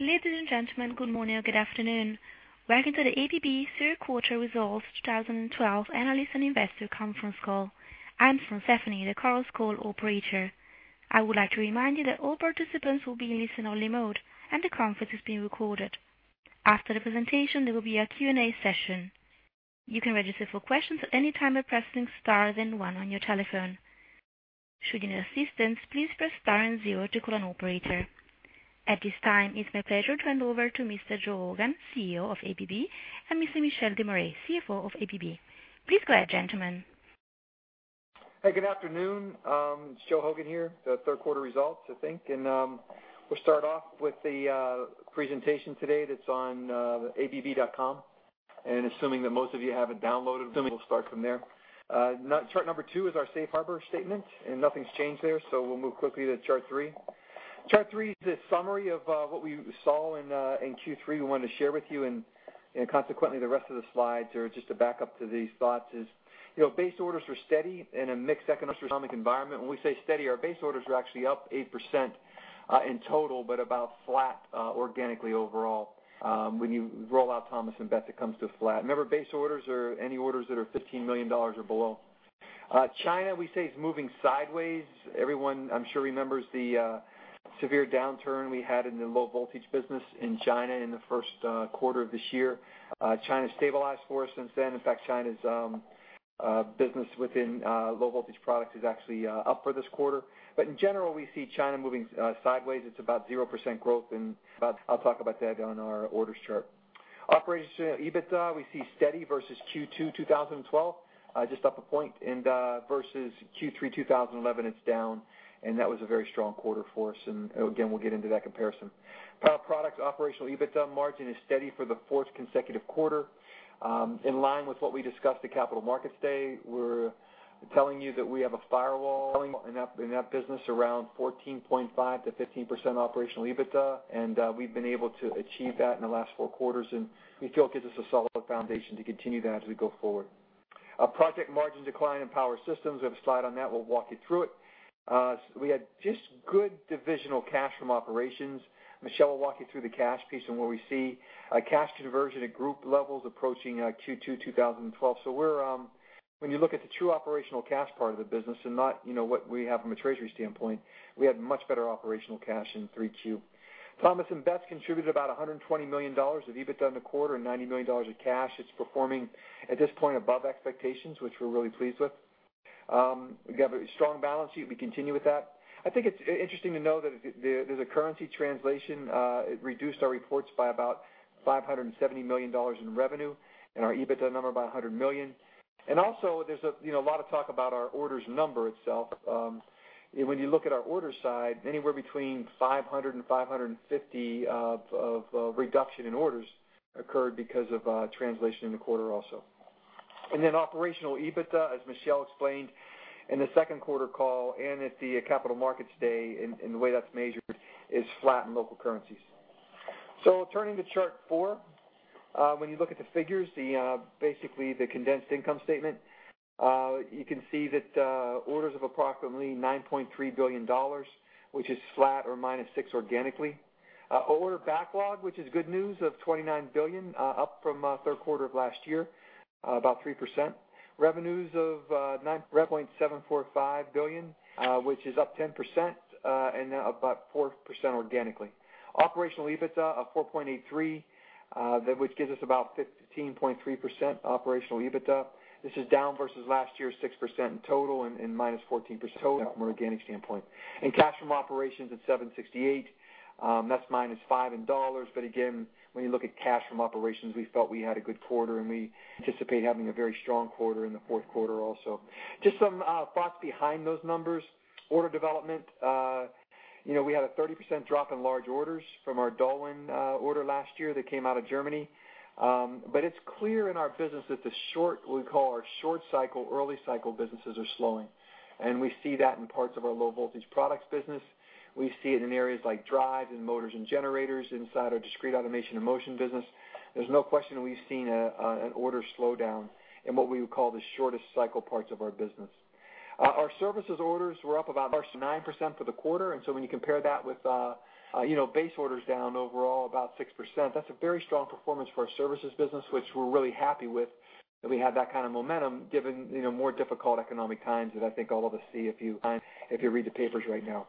Ladies and gentlemen, good morning or good afternoon. Welcome to the ABB Third Quarter Results 2012 analyst and investor conference call. I'm Stephanie, the conference call operator. I would like to remind you that all participants will be in listen-only mode, and the conference is being recorded. After the presentation, there will be a Q&A session. You can register for questions at any time by pressing star then one on your telephone. Should you need assistance, please press star and zero to call an operator. At this time, it's my pleasure to hand over to Mr. Joe Hogan, CEO of ABB, and Mr. Michel Demaré, CFO of ABB. Please go ahead, gentlemen. Hey, good afternoon. It's Joe Hogan here, the third quarter results, I think. We'll start off with the presentation today that's on abb.com. Assuming that most of you have it downloaded, we'll start from there. Chart number two is our safe harbor statement. Nothing's changed there, so we'll move quickly to chart three. Chart three is a summary of what we saw in Q3 we wanted to share with you. Consequently, the rest of the slides are just a backup to these thoughts is, base orders were steady in a mixed economic environment. When we say steady, our base orders were actually up 8% in total, but about flat organically overall. When you roll out Thomas & Betts, it comes to flat. Remember, base orders are any orders that are $15 million or below. China, we say, is moving sideways. Everyone, I'm sure, remembers the severe downturn we had in the low voltage business in China in the first quarter of this year. China has stabilized for us since then. In fact, China's business within Low Voltage Products is actually up for this quarter. In general, we see China moving sideways. It's about 0% growth. I'll talk about that on our orders chart. Operations EBITDA, we see steady versus Q2 2012, just up a point. Versus Q3 2011, it's down. That was a very strong quarter for us. Again, we'll get into that comparison. Power Products operational EBITDA margin is steady for the fourth consecutive quarter. In line with what we discussed at Capital Markets Day, we're telling you that we have a firewall in that business around 14.5%-15% operational EBITDA, and we've been able to achieve that in the last four quarters. We feel it gives us a solid foundation to continue that as we go forward. Project margin decline in Power Systems, we have a slide on that. We'll walk you through it. We had just good divisional cash from operations. Michel will walk you through the cash piece and where we see a cash conversion at group levels approaching Q2 2012. When you look at the true operational cash part of the business and not what we have from a treasury standpoint, we had much better operational cash in 3Q. Thomas & Betts contributed about $120 million of EBITDA in the quarter and $90 million of cash. It's performing, at this point, above expectations, which we're really pleased with. We have a strong balance sheet. We continue with that. I think it's interesting to know that there's a currency translation. It reduced our reports by about $570 million in revenue and our EBITDA number by $100 million. Also, there's a lot of talk about our orders number itself. When you look at our order side, anywhere between $500 million and $550 million of reduction in orders occurred because of translation in the quarter also. Then operational EBITDA, as Michel explained in the second quarter call and at the Capital Markets Day, the way that's measured is flat in local currencies. Turning to chart 4, when you look at the figures, basically the condensed income statement, you can see that orders of approximately $9.3 billion, which is flat or -6% organically. Order backlog, which is good news, of $29 billion, up from third quarter of last year, about 3%. Revenues of $9.745 billion, which is up 10% and about 4% organically. Operational EBITDA of $4.83 billion, which gives us about 15.3% operational EBITDA. This is down versus last year's 6% in total and -14% in total from an organic standpoint. Cash from operations at $768 million, that's -5% in dollars. Again, when you look at cash from operations, we felt we had a good quarter, and we anticipate having a very strong quarter in the fourth quarter also. Just some thoughts behind those numbers. Order development. We had a 30% drop in large orders from our DolWin order last year that came out of Germany. It's clear in our business that what we call our short cycle, early cycle businesses are slowing, and we see that in parts of our low voltage products business. We see it in areas like drive and motors and generators inside our Discrete Automation and Motion business. There's no question that we've seen an order slowdown in what we would call the shortest cycle parts of our business. Our services orders were up about 9% for the quarter. When you compare that with base orders down overall about 6%, that's a very strong performance for our services business, which we're really happy with, that we have that kind of momentum given more difficult economic times that I think all of us see if you read the papers right now.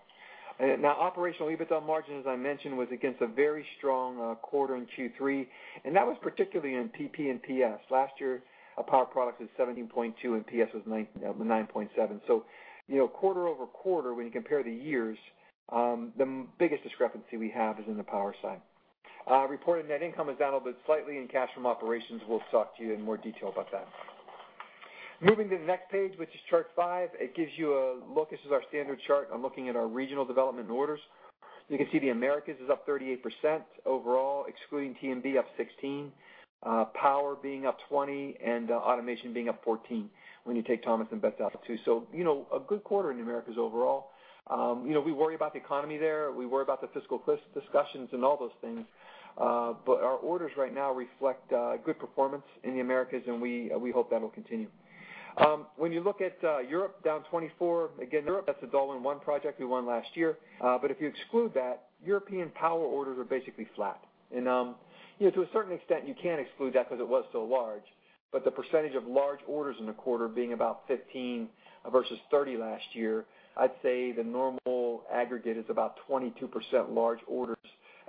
Operational EBITDA margin, as I mentioned, was against a very strong quarter in Q3, and that was particularly in PP and PS. Last year, our Power Products was 17.2% and PS was 9.7%. Quarter-over-quarter, when you compare the years, the biggest discrepancy we have is in the Power side. Reported net income is down a little bit slightly. Cash from operations, we'll talk to you in more detail about that. Moving to the next page, which is chart 5, it gives you a look. This is our standard chart on looking at our regional development in orders. You can see the Americas is up 38% overall, excluding T&B up 16%, Power being up 20%, Automation being up 14% when you take Thomas & Betts out, too. A good quarter in the Americas overall. We worry about the economy there. We worry about the fiscal discussions and all those things. Our orders right now reflect good performance in the Americas. We hope that will continue. When you look at Europe, down 24%. Again, Europe, that's the DolWin 1 project we won last year. If you exclude that, European power orders are basically flat. To a certain extent, you can exclude that because it was so large, but the percentage of large orders in the quarter being about 15% versus 30% last year, I'd say the normal aggregate is about 22% large orders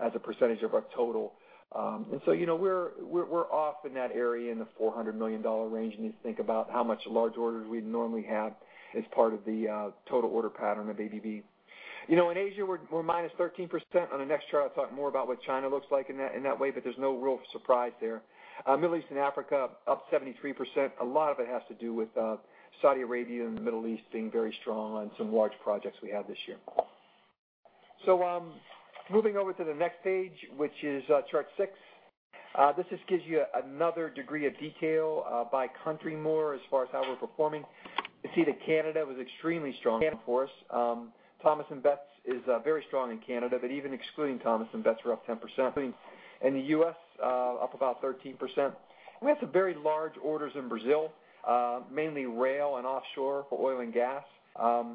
as a percentage of our total. We're off in that area, in the $400 million range when you think about how much large orders we'd normally have as part of the total order pattern of ABB. In Asia, we're -13%. On the next chart, I talk more about what China looks like in that way, but there's no real surprise there. Middle East and Africa, +73%. A lot of it has to do with Saudi Arabia and the Middle East being very strong on some large projects we have this year. Moving over to the next page, which is chart six. This just gives you another degree of detail by country more as far as how we're performing. You see that Canada was extremely strong for us. Thomas & Betts is very strong in Canada, but even excluding Thomas & Betts, we're +10%. In the U.S., +13%. We had some very large orders in Brazil, mainly rail and offshore for oil and gas,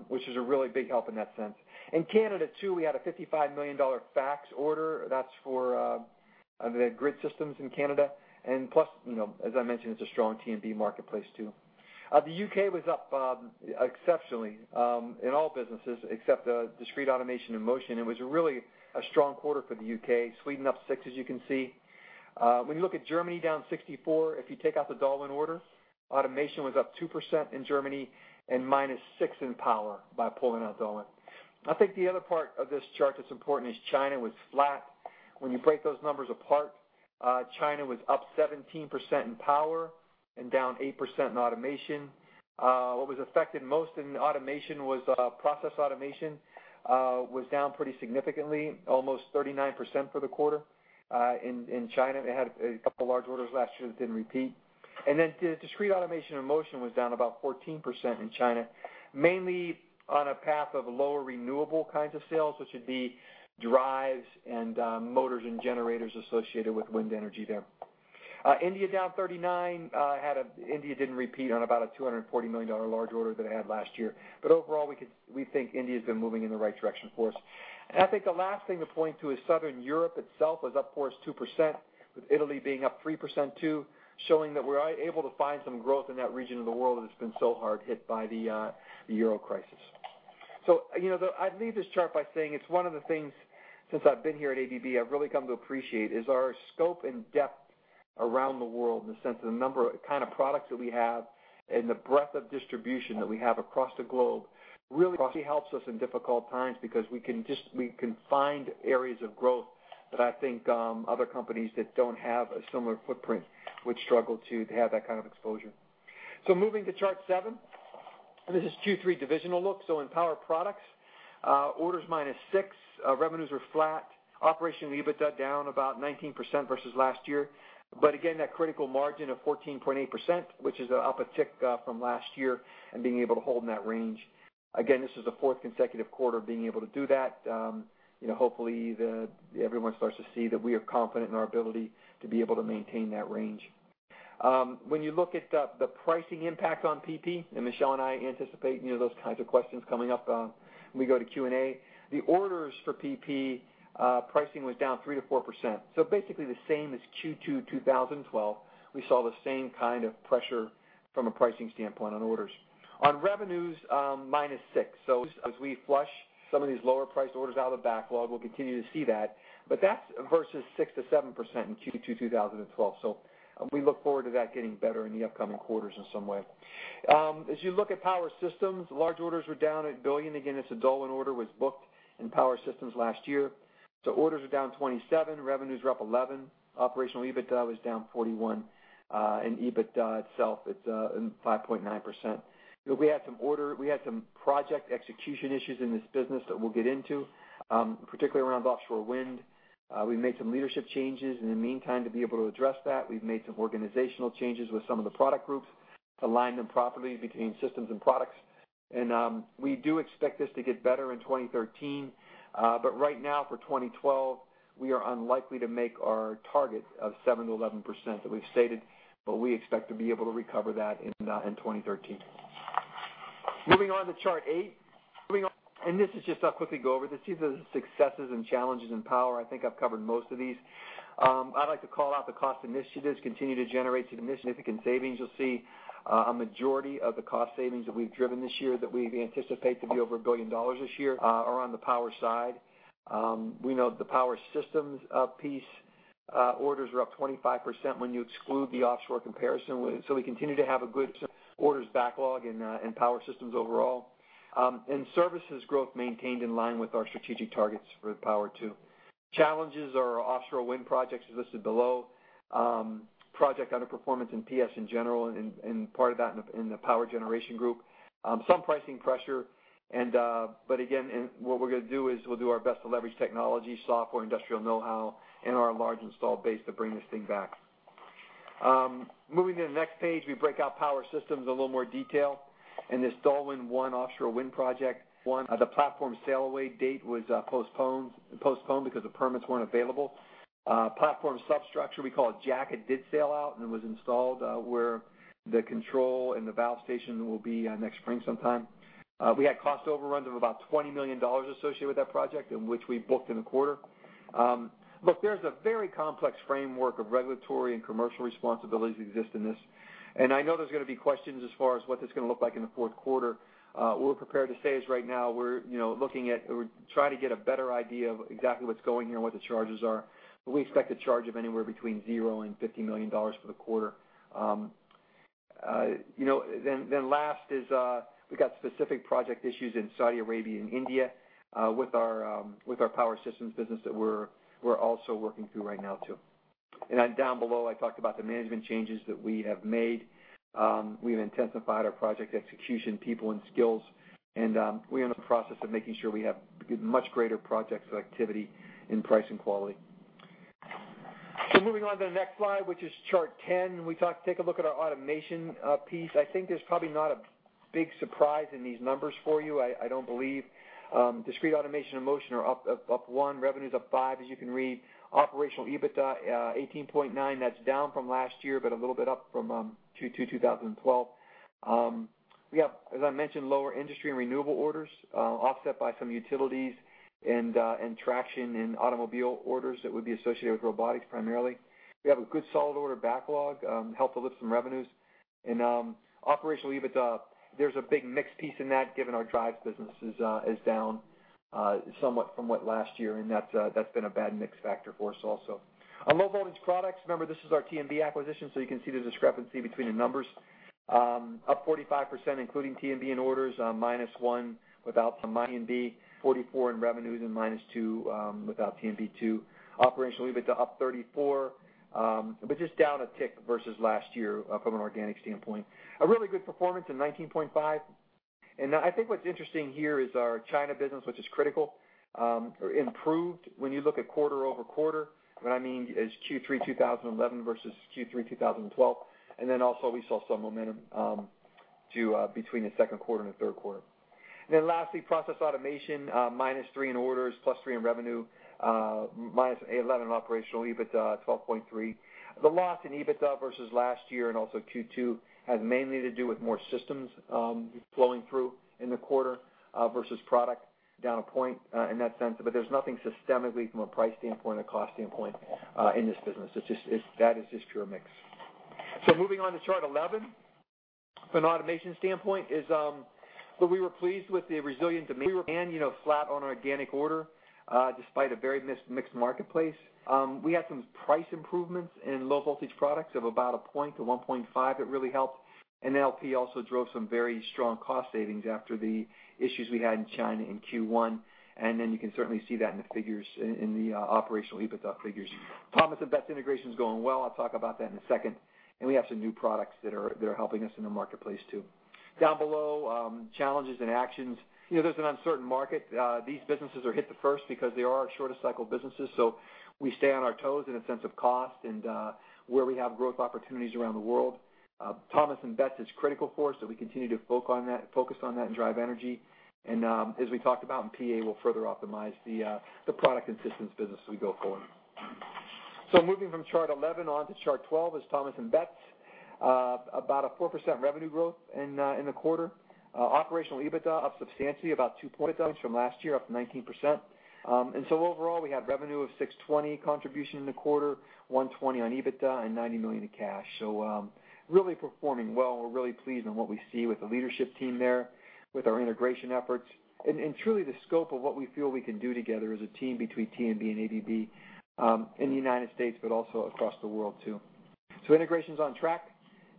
which is a really big help in that sense. In Canada, too, we had a $55 million FACTS order. That's for the grid systems in Canada. Plus, as I mentioned, it's a strong T&B marketplace, too. The U.K. was up exceptionally in all businesses except Discrete Automation and Motion. It was really a strong quarter for the U.K. Sweden +6%, as you can see. When you look at Germany, -64%. If you take out the DolWin order, Automation was +2% in Germany and -6% in Power by pulling out DolWin. I think the other part of this chart that's important is China was flat. When you break those numbers apart, China was +17% in Power and -8% in Automation. What was affected most in Automation was Process Automation, was down pretty significantly, almost -39% for the quarter in China. They had a couple large orders last year that didn't repeat. Discrete Automation and Motion was down about -14% in China, mainly on a path of lower renewable kinds of sales, which would be drives and motors and generators associated with wind energy there. India, -39%. India didn't repeat on about a $240 million large order that it had last year. Overall, we think India's been moving in the right direction for us. I think the last thing to point to is Southern Europe itself was +2%, with Italy being +3%, too, showing that we're able to find some growth in that region of the world that's been so hard hit by the euro crisis. I leave this chart by saying it's one of the things, since I've been here at ABB, I've really come to appreciate is our scope and depth around the world in the sense of the number, kind of products that we have and the breadth of distribution that we have across the globe really helps us in difficult times because we can find areas of growth that I think other companies that don't have a similar footprint would struggle to have that kind of exposure. Moving to chart seven. This is Q3 divisional look. In Power Products, orders -6%. Revenues are flat. Operational EBITDA down about 19% versus last year. That critical margin of 14.8%, which is up a tick from last year and being able to hold in that range. Again, this is the fourth consecutive quarter being able to do that. Hopefully, everyone starts to see that we are confident in our ability to be able to maintain that range. When you look at the pricing impact on PP, Michel and I anticipate those kinds of questions coming up when we go to Q&A. The orders for PP pricing was down 3%-4%. Basically the same as Q2 2012. We saw the same kind of pressure from a pricing standpoint on orders. On revenues, minus six. As we flush some of these lower priced orders out of the backlog, we'll continue to see that. That's versus 6%-7% in Q2 2012. We look forward to that getting better in the upcoming quarters in some way. As you look at Power Systems, large orders were down $1 billion. Again, a DolWin order was booked in Power Systems last year. Orders are down 27%, revenues are up 11%. Operational EBITDA was down 41%, and EBITDA itself, it's 5.9%. We had some project execution issues in this business that we'll get into, particularly around offshore wind. We made some leadership changes in the meantime to be able to address that. We've made some organizational changes with some of the product groups to align them properly between systems and products. We do expect this to get better in 2013. Right now for 2012, we are unlikely to make our target of 7%-11% that we've stated, but we expect to be able to recover that in 2013. Moving on to chart eight. I'll quickly go over this. These are the successes and challenges in Power. I think I've covered most of these. I'd like to call out the cost initiatives continue to generate some significant savings. You'll see a majority of the cost savings that we've driven this year that we anticipate to be over $1 billion this year are on the Power side. We know the Power Systems piece orders are up 25% when you exclude the offshore comparison. We continue to have a good orders backlog in Power Systems overall. Services growth maintained in line with our strategic targets for Power, too. Challenges are our offshore wind projects, as listed below. Project underperformance in PS in general, and part of that in the Power Generation group. Some pricing pressure, what we're going to do is we'll do our best to leverage technology, software, industrial know-how, and our large install base to bring this thing back. Moving to the next page, we break out Power Systems in a little more detail. This DolWin 1 offshore wind project, the platform sail away date was postponed because the permits weren't available. Platform substructure, we call it jacket, did sail out, and it was installed where the control and the valve station will be next spring sometime. We had cost overruns of about $20 million associated with that project, in which we booked in the quarter. There's a very complex framework of regulatory and commercial responsibilities exist in this, and I know there's going to be questions as far as what this is going to look like in the fourth quarter. What we're prepared to say is right now we're looking at or try to get a better idea of exactly what's going here and what the charges are. We expect a charge of anywhere between 0 and $50 million for the quarter. Last is we've got specific project issues in Saudi Arabia and India with our Power Systems business that we're also working through right now too. Down below, I talked about the management changes that we have made. We've intensified our project execution people and skills, and we are in the process of making sure we have much greater project selectivity in price and quality. Moving on to the next slide, which is chart 10. We take a look at our automation piece. I think there's probably not a big surprise in these numbers for you, I don't believe. Discrete Automation and Motion are up one, revenue's up five, as you can read. Operational EBITDA 18.9%. That's down from last year, but a little bit up from Q2 2012. We have, as I mentioned, lower industry and renewable orders offset by some utilities and traction in automobile orders that would be associated with robotics primarily. We have a good solid order backlog, helped to lift some revenues. Operational EBITDA, there's a big mixed piece in that given our drives business is down somewhat from what last year, and that's been a bad mix factor for us also. On Low Voltage Products, remember, this is our TMB acquisition, you can see the discrepancy between the numbers. Up 45%, including TMB in orders, minus one without TMB, 44 in revenues, minus two without TMB too. Operational EBITDA up 34%, but just down a tick versus last year from an organic standpoint. A really good performance in 19.5%. I think what's interesting here is our China business, which is critical, improved when you look at quarter-over-quarter. What I mean is Q3 2011 versus Q3 2012. Also we saw some momentum between the second quarter and the third quarter. Lastly, Process Automation, minus three in orders, plus three in revenue, minus 11% operational EBITDA, 12.3%. The loss in EBITDA versus last year and also Q2 had mainly to do with more systems flowing through in the quarter versus product down a point in that sense. There's nothing systemically from a price standpoint or cost standpoint in this business. That is just pure mix. Moving on to chart 11. From an automation standpoint, we were pleased with the resilient demand, flat on organic order, despite a very mixed marketplace. We had some price improvements in Low Voltage Products of about a point to 1.5%. It really helped. LP also drove some very strong cost savings after the issues we had in China in Q1. You can certainly see that in the figures, in the operational EBITDA figures. Thomas & Betts integration is going well. I'll talk about that in a second. We have some new products that are helping us in the marketplace too. Down below, challenges and actions. There's an uncertain market. These businesses are hit the first because they are our shortest cycle businesses. We stay on our toes in a sense of cost and where we have growth opportunities around the world. Thomas & Betts is critical for us, so we continue to focus on that and drive energy. As we talked about in PA, we'll further optimize the product and systems business as we go forward. Moving from chart 11 on to chart 12 is Thomas & Betts. About a 4% revenue growth in the quarter. Operational EBITDA up substantially, about 2.0 from last year, up 19%. So overall, we had revenue of $620 contribution in the quarter, $120 on EBITDA, and $90 million in cash. So really performing well. We're really pleased on what we see with the leadership team there, with our integration efforts, and truly the scope of what we feel we can do together as a team between TMB and ABB in the U.S., but also across the world too. So integration's on track.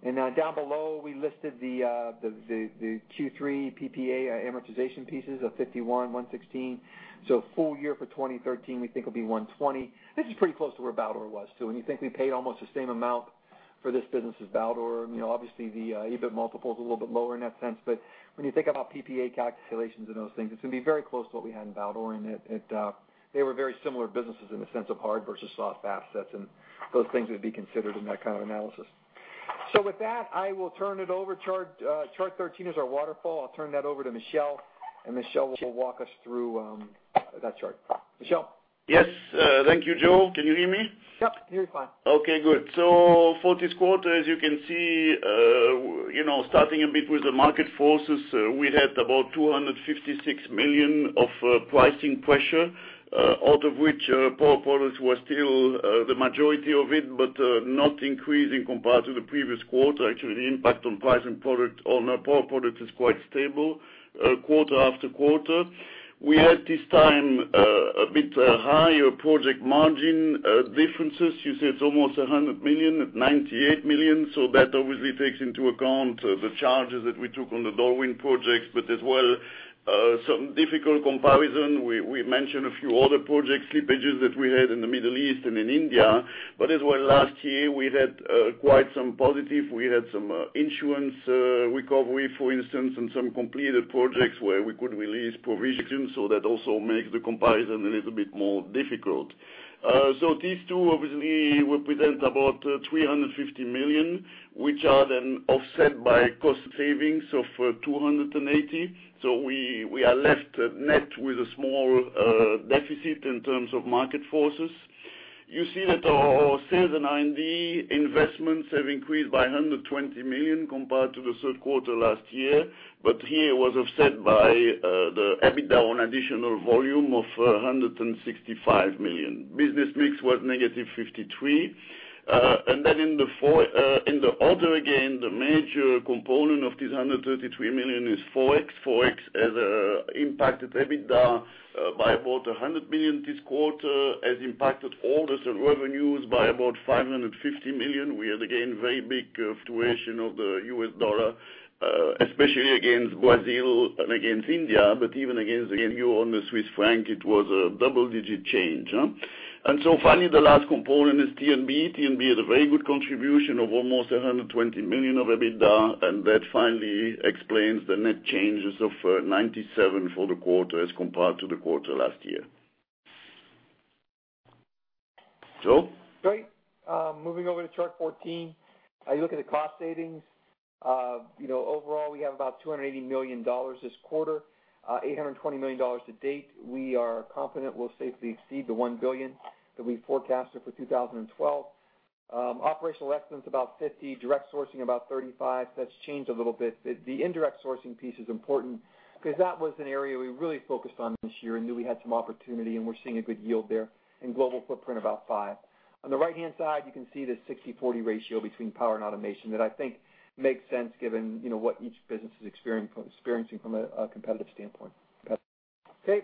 Down below, we listed the Q3 PPA amortization pieces of $51, $116. So full year for 2013 we think will be $120. This is pretty close to where Baldor was too. When you think we paid almost the same amount for this business as Baldor, obviously the EBIT multiple is a little bit lower in that sense. But when you think about PPA calculations and those things, it's going to be very close to what we had in Baldor. They were very similar businesses in the sense of hard versus soft assets, and those things would be considered in that kind of analysis. With that, I will turn it over. Chart 13 is our waterfall. I'll turn that over to Michel, and Michel will walk us through that chart. Michel? Yes. Thank you, Joe. Can you hear me? Yep, you are fine. Okay, good. For this quarter, as you can see, starting a bit with the market forces, we had about $256 million of pricing pressure, out of which Power Products were still the majority of it, but not increasing compared to the previous quarter. Actually, the impact on price on Power Products is quite stable quarter-after-quarter. We had this time a bit higher project margin differences. You see it is almost $100 million, at $98 million. That obviously takes into account the charges that we took on the DolWin projects, as well, some difficult comparison. We mentioned a few other project slippages that we had in the Middle East and in India. As well, last year, we had quite some positive. We had some insurance recovery, for instance, and some completed projects where we could release provisions. That also makes the comparison a little bit more difficult. These two obviously represent about $350 million, which are then offset by cost savings of $280. We are left net with a small deficit in terms of market forces. You see that our sales and R&D investments have increased by $120 million compared to the third quarter last year. Here was offset by the EBITDA on additional volume of $165 million. Business mix was negative $53. Then in the other, again, the major component of this $133 million is ForEx. ForEx has impacted EBITDA by about $100 million this quarter, has impacted orders of revenues by about $550 million. We had, again, very big fluctuation of the US dollar, especially against Brazil and against India. Even against the euro and the Swiss franc, it was a double-digit change. Finally, the last component is T&B. T&B had a very good contribution of almost $120 million of EBITDA, that finally explains the net changes of $97 for the quarter as compared to the quarter last year. Joe? Great. Moving over to chart 14, I look at the cost savings. Overall, we have about $280 million this quarter, $820 million to date. We are confident we'll safely exceed the $1 billion that we forecasted for 2012. Operational excellence about $50 million, direct sourcing about $35 million. That's changed a little bit. The indirect sourcing piece is important because that was an area we really focused on this year and knew we had some opportunity, and we're seeing a good yield there. Global footprint about $5 million. On the right-hand side, you can see the 60-40 ratio between power and automation that I think makes sense given what each business is experiencing from a competitive standpoint. Okay.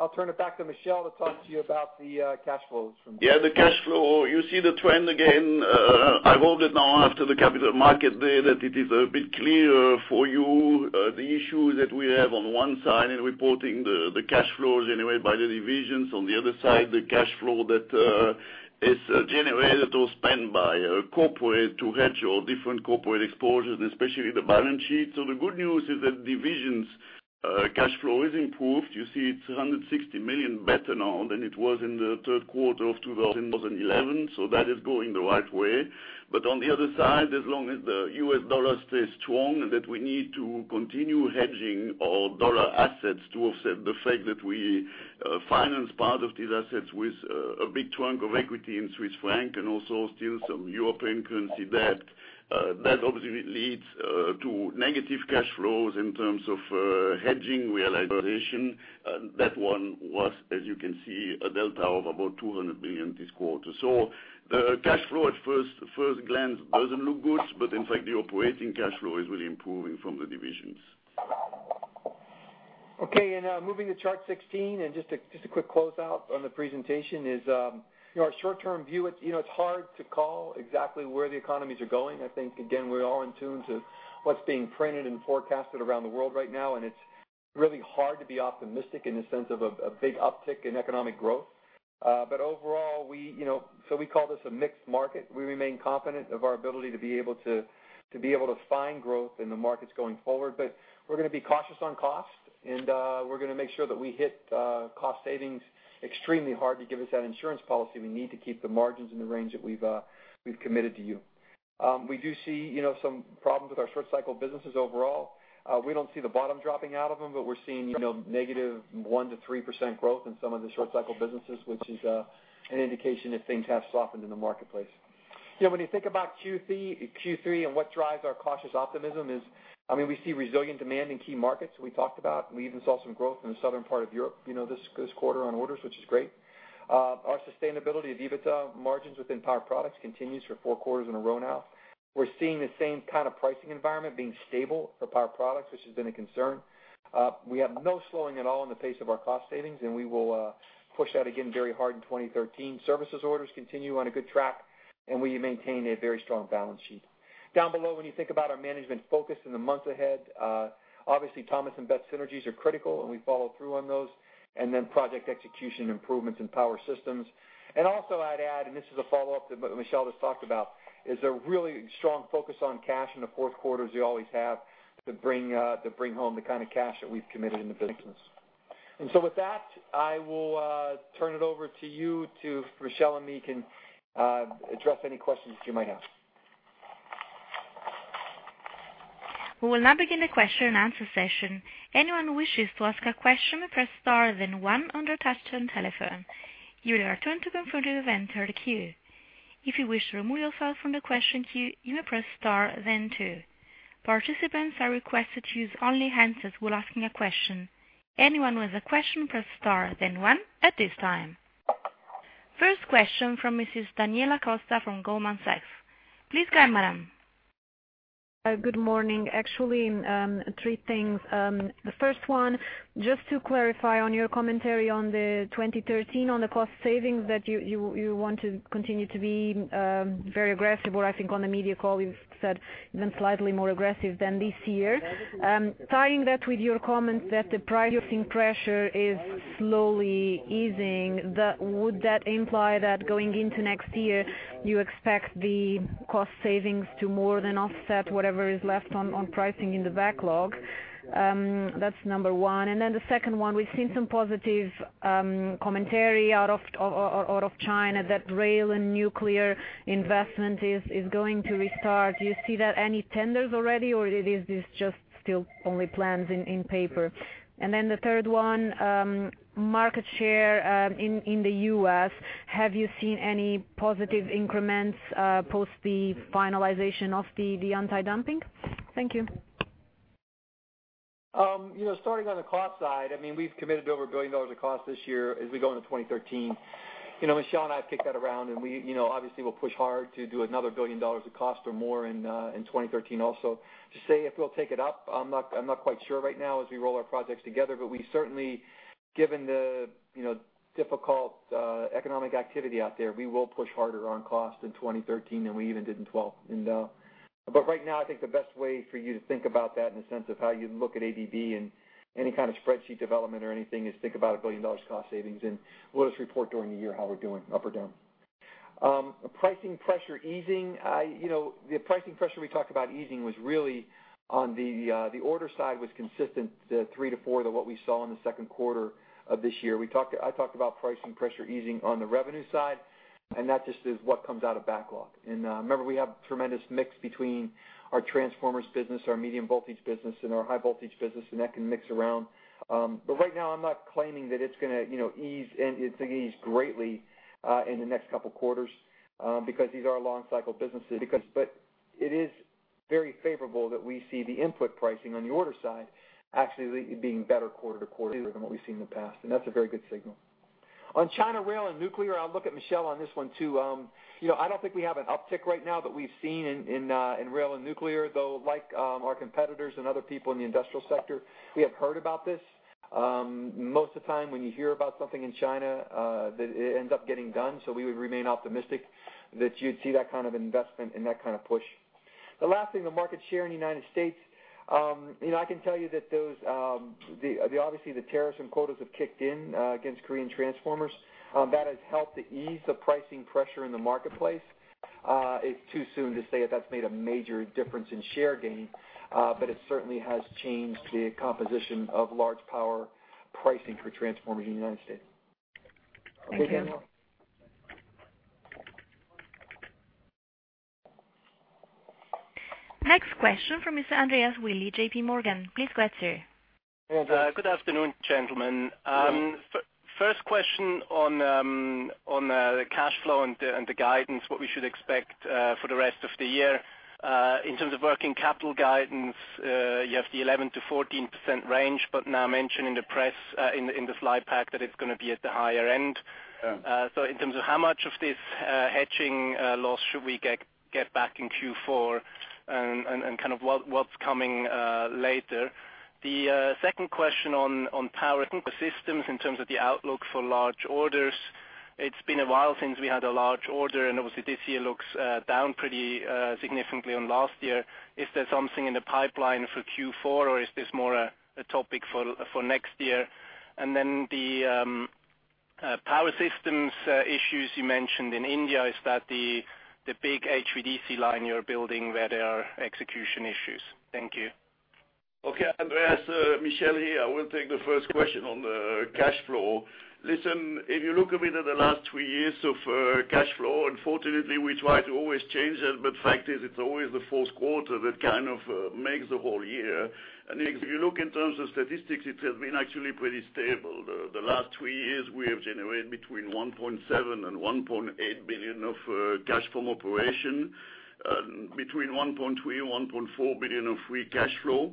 I'll turn it back to Michel to talk to you about the cash flows from- The cash flow, you see the trend again. I hope that now after the Capital Markets Day, that it is a bit clearer for you the issue that we have on one side in reporting the cash flows generated by the divisions, on the other side, the cash flow that is generated or spent by corporate to hedge all different corporate exposures, especially the balance sheet. The good news is that divisions cash flow is improved. You see it's $160 million better now than it was in the third quarter of 2011. That is going the right way. On the other side, as long as the US dollar stays strong, that we need to continue hedging our dollar assets to offset the fact that we finance part of these assets with a big trunk of equity in Swiss franc and also still some European currency debt. That obviously leads to negative cash flows in terms of hedging realization. That one was, as you can see, a delta of about $200 million this quarter. The cash flow at first glance doesn't look good, in fact, the operating cash flow is really improving from the divisions. Moving to chart 16, just a quick closeout on the presentation is our short-term view. It's hard to call exactly where the economies are going. I think, again, we're all in tune to what's being printed and forecasted around the world right now, and it's really hard to be optimistic in the sense of a big uptick in economic growth. Overall, we call this a mixed market. We remain confident of our ability to be able to find growth in the markets going forward. We're going to be cautious on cost, we're going to make sure that we hit cost savings extremely hard to give us that insurance policy we need to keep the margins in the range that we've committed to you. We do see some problems with our short-cycle businesses overall. We don't see the bottom dropping out of them, but we're seeing -1% to -3% growth in some of the short-cycle businesses, which is an indication that things have softened in the marketplace. When you think about Q3 and what drives our cautious optimism is, we see resilient demand in key markets we talked about. We even saw some growth in the southern part of Europe this quarter on orders, which is great. Our sustainability of EBITDA margins within Power Products continues for four quarters in a row now. We're seeing the same kind of pricing environment being stable for Power Products, which has been a concern. We have no slowing at all in the pace of our cost savings, and we will push that again very hard in 2013. Services orders continue on a good track, and we maintain a very strong balance sheet. Down below, when you think about our management focus in the months ahead, obviously Thomas & Betts synergies are critical, and we follow through on those. Project execution improvements in Power Systems. Also I'd add, and this is a follow-up that Michel just talked about, is a really strong focus on cash in the fourth quarter, as you always have, to bring home the kind of cash that we've committed in the business. With that, I will turn it over to you two, Michel and me can address any questions you might have. We will now begin the question and answer session. Anyone who wishes to ask a question, press star then one on their touchtone telephone. You will hear a tone to confirm that you have entered the queue. If you wish to remove yourself from the question queue, you may press star then two. Participants are requested to use only handsets while asking a question. Anyone who has a question, press star then one at this time. First question from Mrs. Daniela Costa from Goldman Sachs. Please go ahead, madam. Good morning. Actually, three things. The first one, just to clarify on your commentary on the 2013 on the cost savings that you want to continue to be very aggressive, or I think on the media call you said even slightly more aggressive than this year. Tying that with your comments that the pricing pressure is slowly easing, would that imply that going into next year you expect the cost savings to more than offset whatever is left on pricing in the backlog? That's number 1. The second 1, we've seen some positive commentary out of China that rail and nuclear investment is going to restart. Do you see that any tenders already, or it is just still only plans in paper? The third 1, market share in the U.S., have you seen any positive increments post the finalization of the anti-dumping? Thank you. Starting on the cost side, we've committed over $1 billion of cost this year as we go into 2013. Michel and I have kicked that around. We obviously will push hard to do another $1 billion of cost or more in 2013 also. To say if we'll take it up, I'm not quite sure right now as we roll our projects together, but we certainly, given the difficult economic activity out there, we will push harder on cost in 2013 than we even did in 2012. Right now, I think the best way for you to think about that in the sense of how you look at ABB and any kind of spreadsheet development or anything is think about $1 billion cost savings. We'll just report during the year how we're doing, up or down. Pricing pressure easing. The pricing pressure we talked about easing was really on the order side was consistent, the 3%-4% to what we saw in the second quarter of this year. I talked about pricing pressure easing on the revenue side. That just is what comes out of backlog. Remember, we have tremendous mix between our transformers business, our medium-voltage business, and our high-voltage business, and that can mix around. Right now, I'm not claiming that it's going to ease greatly in the next couple of quarters because these are long cycle businesses. It is very favorable that we see the input pricing on the order side actually being better quarter-to-quarter than what we've seen in the past. That's a very good signal. On China rail and nuclear, I'll look at Michel on this one, too. I don't think we have an uptick right now that we've seen in rail and nuclear, though, like our competitors and other people in the industrial sector, we have heard about this. Most of the time when you hear about something in China, that it ends up getting done. We would remain optimistic that you'd see that kind of investment and that kind of push. The last thing, the market share in the U.S. I can tell you that obviously, the tariffs and quotas have kicked in against Korean transformers. That has helped to ease the pricing pressure in the marketplace. It's too soon to say if that's made a major difference in share gain, but it certainly has changed the composition of large power pricing for transformers in the U.S. Thank you. Next question from Mr. Andreas Willi, J.P. Morgan. Please go ahead, sir. Andreas. Good afternoon, gentlemen. First question on the cash flow and the guidance, what we should expect for the rest of the year. In terms of working capital guidance, you have the 11%-14% range. Now mention in the press, in the slide pack that it's going to be at the higher end. Yeah. In terms of how much of this hedging loss should we get back in Q4, and what's coming later? The second question on Power Systems in terms of the outlook for large orders. It's been a while since we had a large order, and obviously, this year looks down pretty significantly on last year. Is there something in the pipeline for Q4, or is this more a topic for next year? Then the Power Systems issues you mentioned in India, is that the big HVDC line you're building where there are execution issues? Thank you. Okay, Andreas, Michel here. I will take the first question on the cash flow. Listen, if you look a bit at the last three years of cash flow, unfortunately, we try to always change that. Fact is it's always the fourth quarter that kind of makes the whole year. If you look in terms of statistics, it has been actually pretty stable. The last three years, we have generated between $1.7 billion and $1.8 billion of cash from operation, between $1.3 billion, $1.4 billion of free cash flow.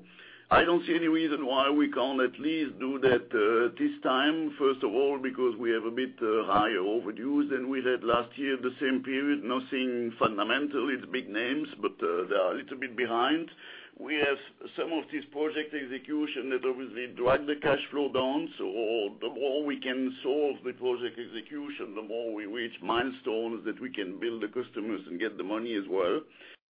I don't see any reason why we can't at least do that this time. First of all, because we have a bit higher over dues than we had last year, the same period, nothing fundamental. It's big names, but they are a little bit behind. We have some of this project execution that obviously dragged the cash flow down. The more we can solve the project execution, the more we reach milestones that we can bill the customers and get the money as well.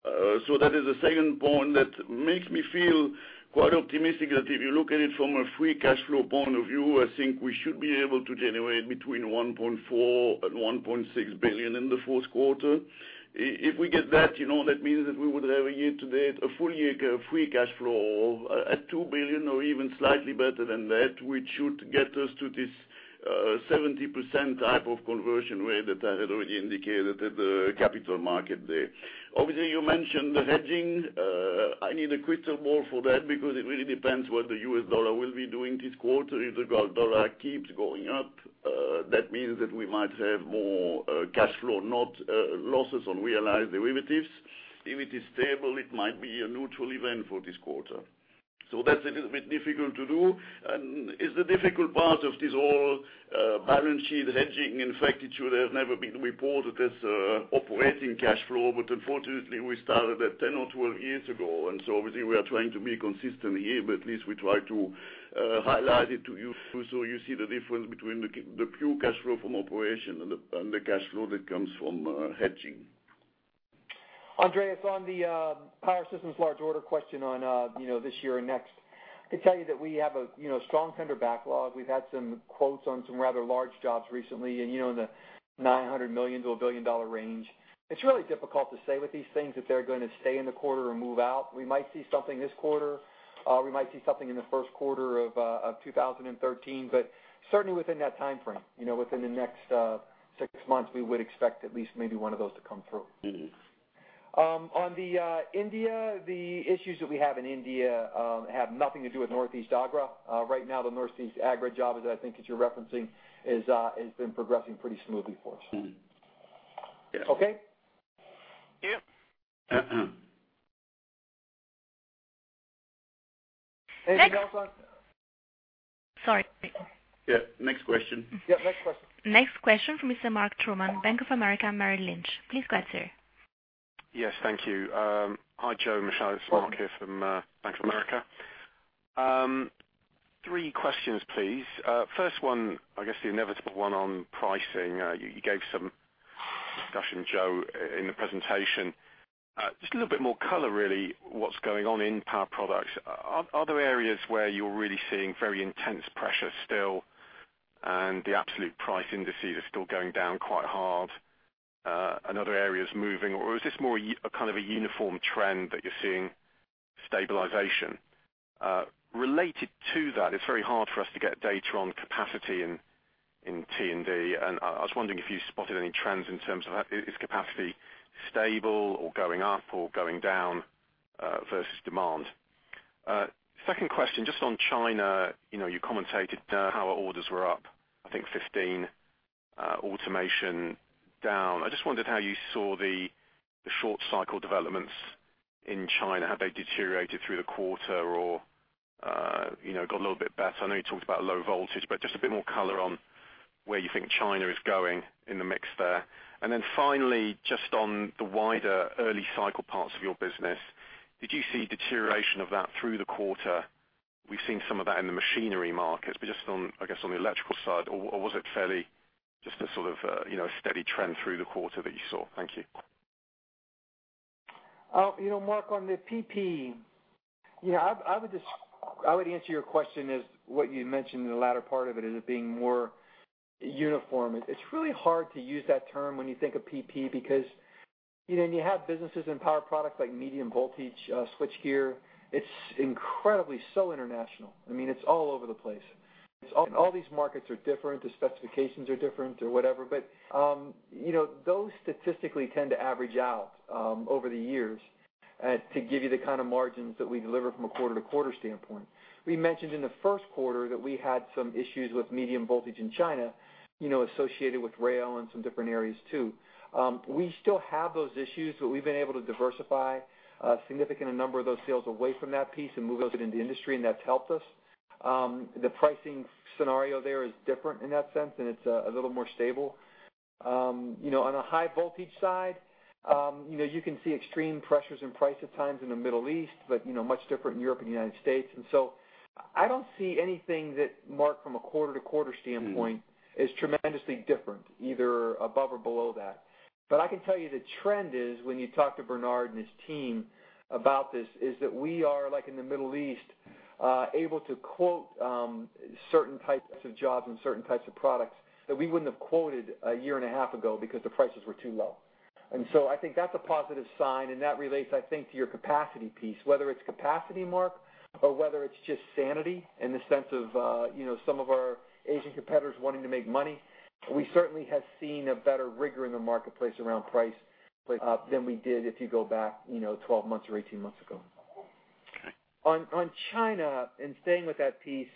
That is the second point that makes me feel quite optimistic that if you look at it from a free cash flow point of view, I think we should be able to generate between $1.4 billion and $1.6 billion in the fourth quarter. If we get that means that we would have a year to date, a full year free cash flow at $2 billion or even slightly better than that, which should get us to this 70% type of conversion rate that I had already indicated at the Capital Markets Day. Obviously, you mentioned the hedging. I need a crystal ball for that because it really depends what the U.S. dollar will be doing this quarter. If the dollar keeps going up, that means that we might have more cash flow, not losses on realized derivatives. If it is stable, it might be a neutral event for this quarter. That's a little bit difficult to do, and it's the difficult part of this whole balance sheet hedging. In fact, it should have never been reported as operating cash flow, but unfortunately, we started that 10 or 12 years ago, obviously we are trying to be consistent here, but at least we try to highlight it to you so you see the difference between the pure cash flow from operation and the cash flow that comes from hedging. Andreas, on the Power Systems large order question on this year and next. I can tell you that we have a strong tender backlog. We've had some quotes on some rather large jobs recently in the $900 million to a $1 billion-dollar range. It's really difficult to say with these things if they're going to stay in the quarter or move out. We might see something this quarter. We might see something in the first quarter of 2013, but certainly within that timeframe. Within the next six months, we would expect at least maybe one of those to come through. On the India, the issues that we have in India have nothing to do with North-East Agra. Right now, the North-East Agra job that I think that you're referencing has been progressing pretty smoothly for us. Okay? Yep. Uh-uh. Next- Anything else? Sorry. Yeah. Next question. Yeah, next question. Next question from Mr. Mark Sherwin, Bank of America, Merrill Lynch. Please go ahead, sir. Yes, thank you. Hi, Joe and Michel. It's Mark here from Bank of America. Three questions, please. First one, I guess the inevitable one on pricing. You gave some discussion, Joe, in the presentation. Just a little bit more color, really, what's going on in Power Products. Are there areas where you're really seeing very intense pressure still, and the absolute price indices are still going down quite hard, other areas moving? Is this more a kind of a uniform trend that you're seeing stabilization? Related to that, it's very hard for us to get data on capacity in T&D, and I was wondering if you spotted any trends in terms of, is capacity stable or going up or going down versus demand. Second question, just on China, you commentated how orders were up, I think 15, automation down. I just wondered how you saw the short-cycle developments in China. Have they deteriorated through the quarter or got a little bit better? I know you talked about low voltage, but just a bit more color on where you think China is going in the mix there. Finally, just on the wider early cycle parts of your business, did you see deterioration of that through the quarter? We've seen some of that in the machinery markets, just on, I guess, on the electrical side, or was it fairly just a sort of a steady trend through the quarter that you saw? Thank you. Mark, on the PP, I would answer your question as what you mentioned in the latter part of it as it being more uniform. It's really hard to use that term when you think of PP because when you have businesses in Power Products like medium voltage switchgear, it's incredibly so international. It's all over the place. All these markets are different, the specifications are different or whatever. Those statistically tend to average out over the years to give you the kind of margins that we deliver from a quarter-to-quarter standpoint. We mentioned in the first quarter that we had some issues with medium voltage in China, associated with rail and some different areas, too. We still have those issues, we've been able to diversify a significant number of those sales away from that piece and move those into industry, that's helped us. The pricing scenario there is different in that sense, it's a little more stable. On a high voltage side, you can see extreme pressures in price at times in the Middle East, but much different in Europe and the U.S. I don't see anything that, Mark, from a quarter-to-quarter standpoint is tremendously different, either above or below that. I can tell you the trend is, when you talk to Bernhard and his team about this, is that we are, like in the Middle East, able to quote certain types of jobs and certain types of products that we wouldn't have quoted a year and a half ago because the prices were too low. I think that's a positive sign, and that relates, I think, to your capacity piece. Whether it's capacity, Mark, or whether it's just sanity in the sense of some of our Asian competitors wanting to make money, we certainly have seen a better rigor in the marketplace around price than we did if you go back 12 months or 18 months ago. Okay. On China, staying with that piece,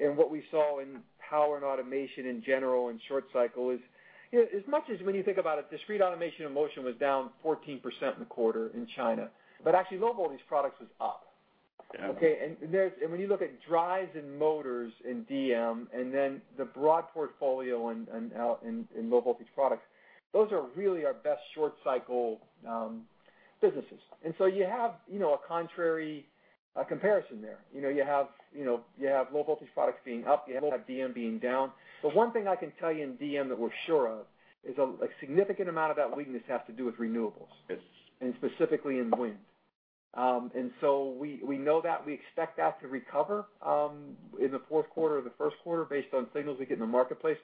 what we saw in power and automation in general in short cycle is, as much as when you think about it, Discrete Automation and Motion was down 14% in the quarter in China. Actually, Low Voltage Products was up. Yeah. Okay? When you look at drives and motors in DM, the broad portfolio in Low Voltage Products, those are really our best short-cycle businesses. You have a contrary comparison there. You have Low Voltage Products being up. You have DM being down. One thing I can tell you in DM that we're sure of is a significant amount of that weakness has to do with renewables. Yes. Specifically in wind. We know that. We expect that to recover in the fourth quarter or the first quarter based on signals we get in the marketplace.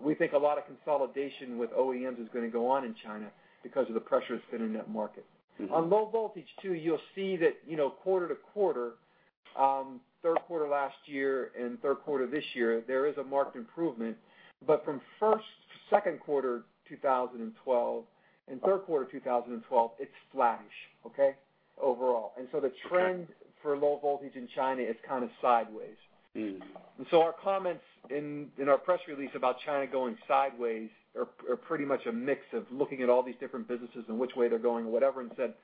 We think a lot of consolidation with OEMs is going to go on in China because of the pressure that's been in that market. On low voltage, too, you'll see that quarter to quarter, third quarter last year and third quarter this year, there is a marked improvement. From first to second quarter 2012 and third quarter 2012, it's flat-ish. Okay. Overall. The trend for low voltage in China is kind of sideways. Our comments in our press release about China going sideways are pretty much a mix of looking at all these different businesses and which way they're going or whatever and said,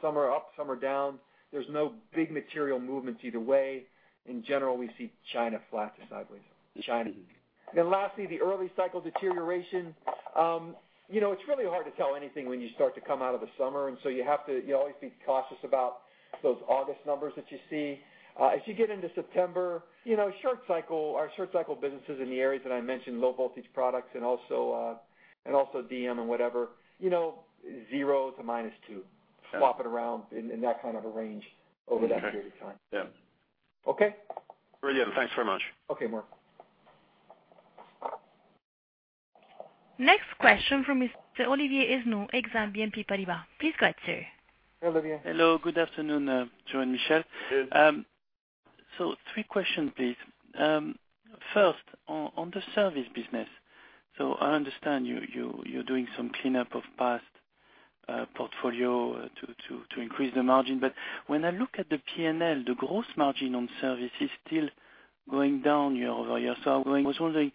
some are up, some are down. There's no big material movements either way. In general, we see China flat to sideways. China. Lastly, the early cycle deterioration. It's really hard to tell anything when you start to come out of the summer. You always have to be cautious about those August numbers that you see. As you get into September, our short-cycle businesses in the areas that I mentioned, low-voltage products and also DM and whatever, 0% to -2%. Yeah. Swap it around in that kind of a range over that period of time. Okay. Yeah. Okay? Brilliant. Thanks very much. Okay, Mark. Next question from Mr. Olivier Esnou, Exane BNP Paribas. Please go ahead, sir. Hi, Olivier. Hello. Good afternoon, Joe and Michel. Good. Three questions, please. First, on the service business. I understand you're doing some cleanup of past portfolio to increase the margin. When I look at the P&L, the gross margin on service is still going down year-over-year. I was wondering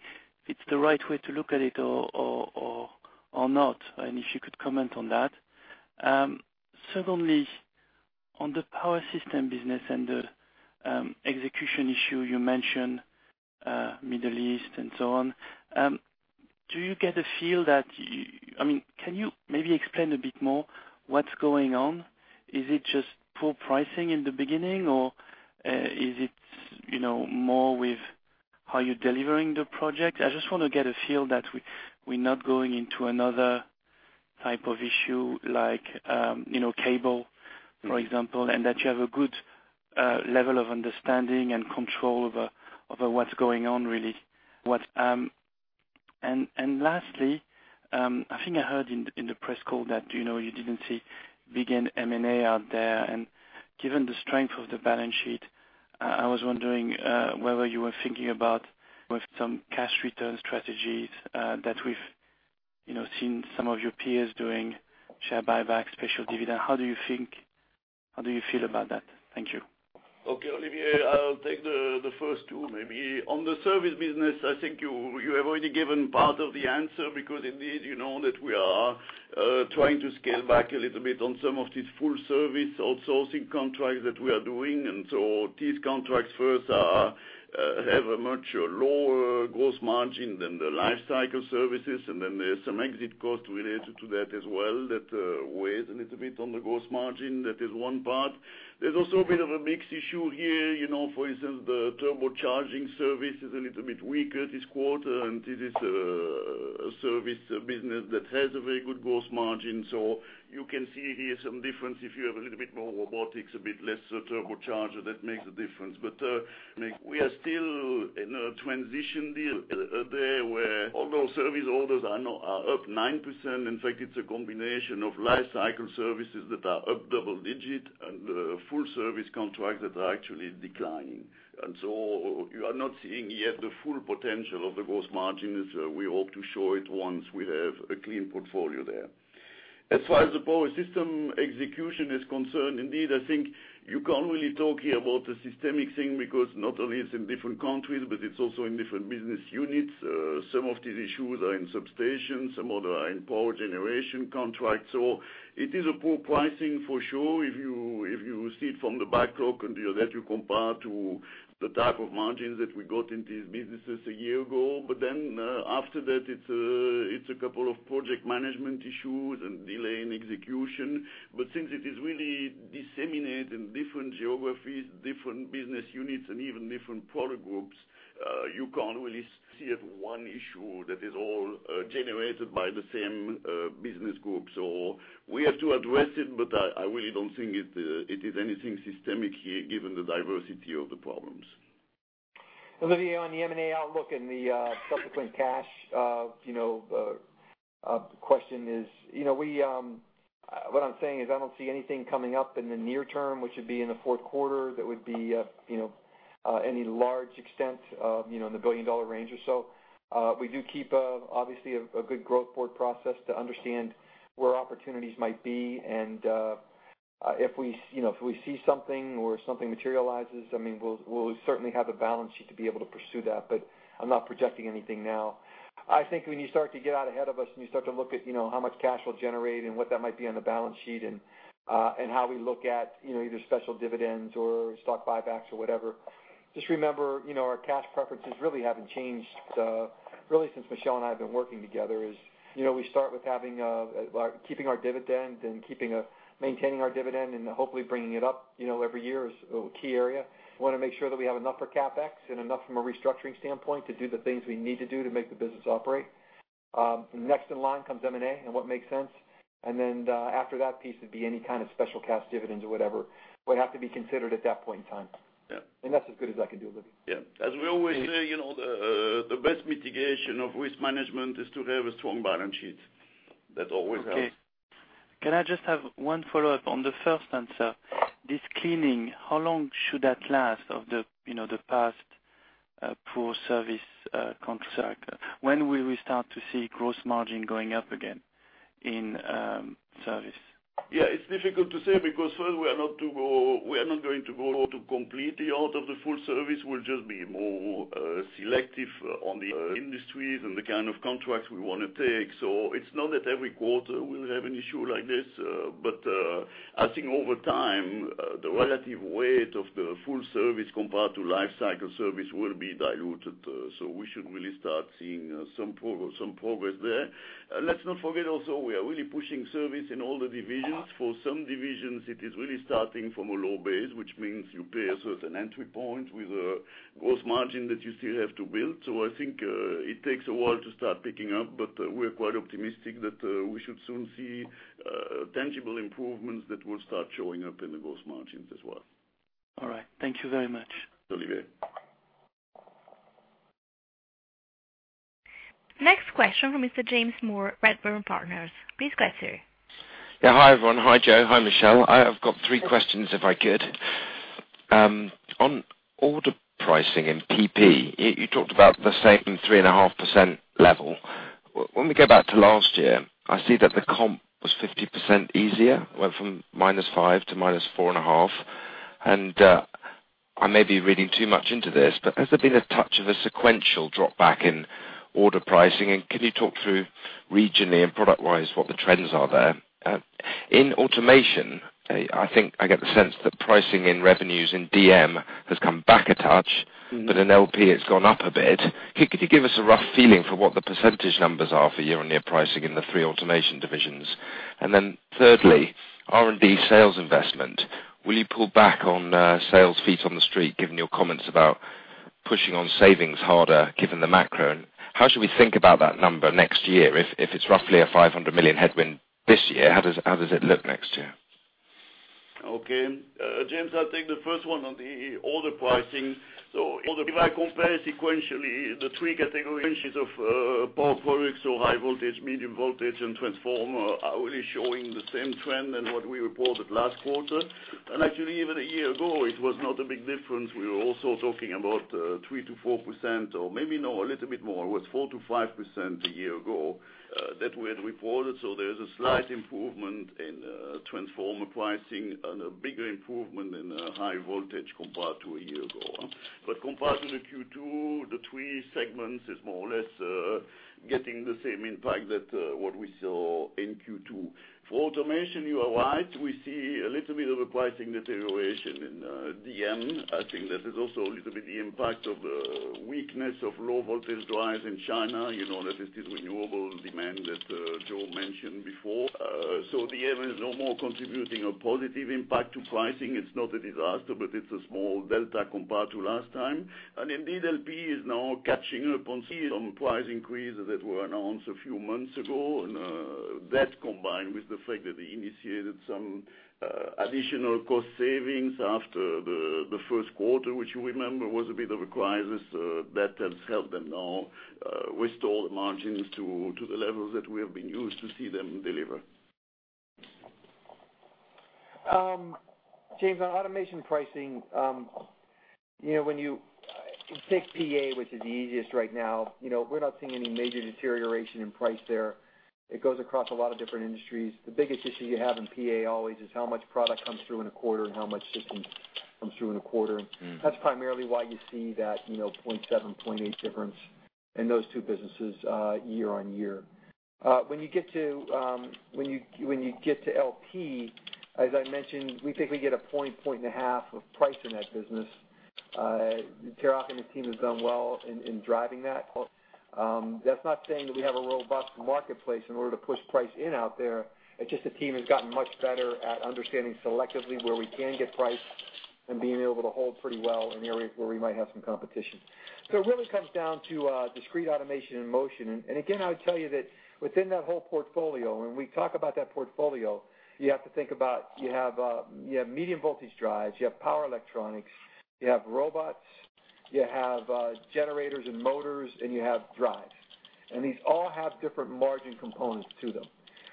if it's the right way to look at it or not, and if you could comment on that. Secondly, on the Power Systems business and the execution issue, you mentioned Middle East and so on. Can you maybe explain a bit more what's going on? Is it just poor pricing in the beginning, or is it more with how you're delivering the project? I just want to get a feel that we're not going into another type of issue, like cable, for example, and that you have a good level of understanding and control over what's going on, really. Lastly, I think I heard in the press call that you didn't see big M&A out there. Given the strength of the balance sheet, I was wondering whether you were thinking about some cash return strategies that we've seen some of your peers doing, share buybacks, special dividend. How do you feel about that? Thank you. Okay, Olivier, I'll take the first two, maybe. On the service business, I think you have already given part of the answer because indeed, you know that we are trying to scale back a little bit on some of these full-service outsourcing contracts that we are doing. These contracts first have a much lower gross margin than the life cycle services. There's some exit costs related to that as well that weighs a little bit on the gross margin. That is one part. There's also a bit of a mix issue here. For instance, the turbocharging service is a little bit weaker this quarter, and this is a service business that has a very good gross margin. You can see here some difference if you have a little bit more robotics, a bit less turbocharger, that makes a difference. We are still in a transition there where although service orders are up 9%, in fact, it's a combination of life cycle services that are up double digit and full-service contracts that are actually declining. You are not seeing yet the full potential of the gross margins. We hope to show it once we have a clean portfolio there. As far as the power system execution is concerned, indeed, I think you can't really talk here about the systemic thing because not only is it in different countries, but it's also in different business units. Some of these issues are in substations, some other are in Power Generation contracts. It is a poor pricing for sure if you see it from the backlog and that you compare to the type of margins that we got in these businesses a year ago. After that, it's a couple of project management issues and delay in execution. Since it is really disseminated in different geographies, different business units, and even different product groups, you can't really see it as one issue that is all generated by the same business group. We have to address it, but I really don't think it is anything systemic here given the diversity of the problems. Olivier, on the M&A outlook and the subsequent cash question is, what I'm saying is I don't see anything coming up in the near term, which would be in the fourth quarter, that would be any large extent in the billion-dollar range or so. We do keep obviously a good growth board process to understand where opportunities might be. If we see something or something materializes, we'll certainly have the balance sheet to be able to pursue that. I'm not projecting anything now. I think when you start to get out ahead of us and you start to look at how much cash we'll generate and what that might be on the balance sheet and how we look at either special dividends or stock buybacks or whatever, just remember, our cash preferences really haven't changed. Really, since Michel and I have been working together is we start with keeping our dividend and maintaining our dividend and hopefully bringing it up every year is a key area. We want to make sure that we have enough for CapEx and enough from a restructuring standpoint to do the things we need to do to make the business operate. Next in line comes M&A and what makes sense. Then, after that piece would be any kind of special cash dividends or whatever would have to be considered at that point in time. Yeah. That's as good as I can do, Olivier. Yeah. As we always say, the best mitigation of risk management is to have a strong balance sheet. That always helps. Okay. Can I just have one follow-up on the first answer? This cleaning, how long should that last of the past poor service contract? When will we start to see gross margin going up again in service? Yeah, it's difficult to say because first we are not going to go completely out of the full service. We'll just be more selective on the industries and the kind of contracts we want to take. I think over time, the relative weight of the full service compared to life cycle service will be diluted. We should really start seeing some progress there. Let's not forget also, we are really pushing service in all the divisions. For some divisions, it is really starting from a low base, which means you pay a certain entry point with a gross margin that you still have to build. I think it takes a while to start picking up, but we're quite optimistic that we should soon see tangible improvements that will start showing up in the gross margins as well. All right. Thank you very much. Olivier. Next question from Mr. James Moore, Redburn Partners. Please go ahead, sir. Hi, everyone. Hi, Joe. Hi, Michel. I've got three questions, if I could. On order pricing in PP, you talked about the same 3.5% level. When we go back to last year, I see that the comp was 50% easier. It went from minus 5%-minus 4.5%. I may be reading too much into this, but has there been a touch of a sequential drop back in order pricing? Can you talk through regionally and product-wise what the trends are there? In automation, I think I get the sense that pricing in revenues in DM has come back a touch, but in LP it's gone up a bit. Could you give us a rough feeling for what the percentage numbers are for year-on-year pricing in the 3 automation divisions? Thirdly, R&D sales investment. Will you pull back on sales feet on the street, given your comments about pushing on savings harder, given the macro? How should we think about that number next year if it's roughly a $500 million headwind this year? How does it look next year? James, I'll take the first one on the order pricing. If I compare sequentially, the 3 categories of Power Products, high voltage, medium voltage, and transformer, are really showing the same trend than what we reported last quarter. Actually, even a year ago, it was not a big difference. We were also talking about 3%-4%, or maybe no, a little bit more. It was 4%-5% a year ago that we had reported. There is a slight improvement in transformer pricing and a bigger improvement in high voltage compared to a year ago. Compared to the Q2, the 3 segments is more or less getting the same impact that what we saw in Q2. For automation, you are right. We see a little bit of a pricing deterioration in DM. I think that is also a little bit the impact of weakness of low-voltage drives in China. You know that it is renewable demand that Joe mentioned before. DM is no more contributing a positive impact to pricing. It's not a disaster, but it's a small delta compared to last time. Indeed, LP is now catching up on some price increases that were announced a few months ago, and that combined with the fact that they initiated some additional cost savings after the first quarter, which you remember was a bit of a crisis. That has helped them now restore the margins to the levels that we have been used to see them deliver. James, on automation pricing, when you take PA, which is the easiest right now, we're not seeing any major deterioration in price there. It goes across a lot of different industries. The biggest issue you have in PA always is how much product comes through in a quarter and how much systems comes through in a quarter. That's primarily why you see that 0.7, 0.8 difference in those two businesses year on year. When you get to LP, as I mentioned, we think we get a point and a half of price in that business. Tarak and his team have done well in driving that. That's not saying that we have a robust marketplace in order to push price in out there. It's just the team has gotten much better at understanding selectively where we can get price and being able to hold pretty well in areas where we might have some competition. It really comes down to Discrete Automation and Motion. Again, I would tell you that within that whole portfolio, when we talk about that portfolio, you have to think about you have medium-voltage drives, you have power electronics, you have robots, you have generators and motors, and you have drives. These all have different margin components to them.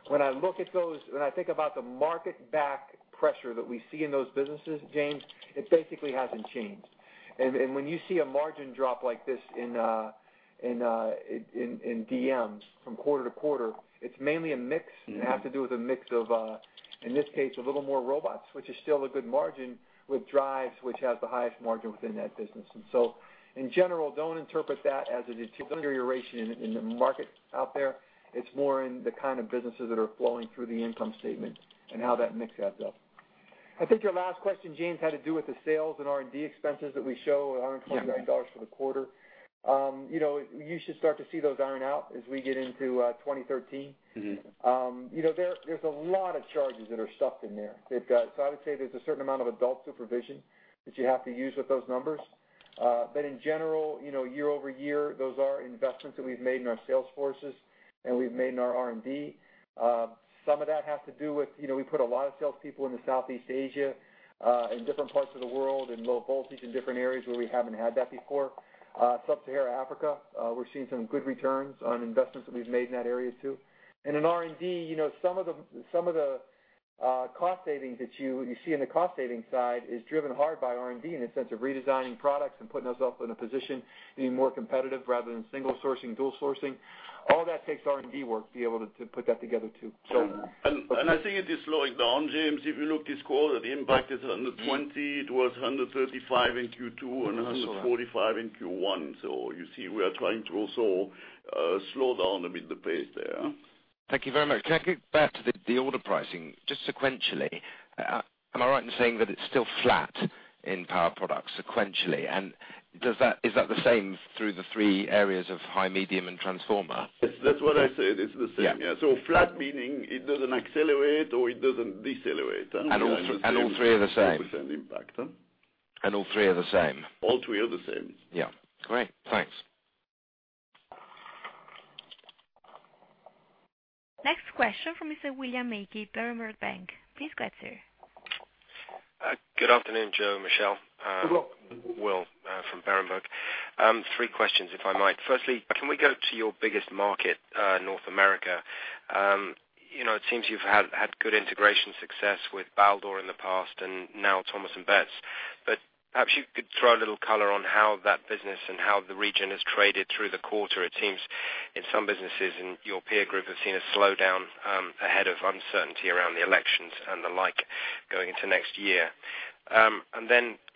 When I look at those, when I think about the market back pressure that we see in those businesses, James, it basically hasn't changed. When you see a margin drop like this in DM from quarter to quarter, it's mainly a mix. It has to do with a mix of, in this case, a little more robots, which is still a good margin, with drives, which has the highest margin within that business. In general, don't interpret that as a deterioration in the market out there. It's more in the kind of businesses that are flowing through the income statement and how that mix adds up. I think your last question, James, had to do with the sales and R&D expenses that we show. Yeah at $125 for the quarter. You should start to see those iron out as we get into 2013. There's a lot of charges that are stuffed in there. I would say there's a certain amount of adult supervision that you have to use with those numbers. In general, year-over-year, those are investments that we've made in our sales forces and we've made in our R&D. Some of that has to do with, we put a lot of salespeople into Southeast Asia, in different parts of the world, in low voltage, in different areas where we haven't had that before. Sub-Sahara Africa, we're seeing some good returns on investments that we've made in that area, too. In R&D, some of the cost savings that you see in the cost-saving side is driven hard by R&D in a sense of redesigning products and putting us up in a position being more competitive rather than single sourcing, dual sourcing. All that takes R&D work to be able to put that together, too. I think it is slowing down, James. If you look this quarter, the impact is $120. It was $135 in Q2. $145 in Q1. You see, we are trying to also slow down a bit the pace there. Thank you very much. Can I get back to the order pricing, just sequentially? Am I right in saying that it's still flat in Power Products sequentially? Is that the same through the three areas of high, medium, and transformer? Yes. That's what I said. It's the same. Yeah. Yeah. Flat meaning it doesn't accelerate, or it doesn't decelerate. All three are the same. 2% impact, huh. All three are the same. All three are the same. Yeah. Great. Thanks. Next question from Mr. William Mackie, Berenberg Bank. Please go ahead, sir. Good afternoon, Joe, Michel. Good luck. Will from Berenberg. Three questions, if I might. Firstly, can we go to your biggest market, North America? It seems you've had good integration success with Baldor in the past and now Thomas & Betts. Perhaps you could throw a little color on how that business and how the region has traded through the quarter. It seems in some businesses, your peer group has seen a slowdown ahead of uncertainty around the elections and the like going into next year.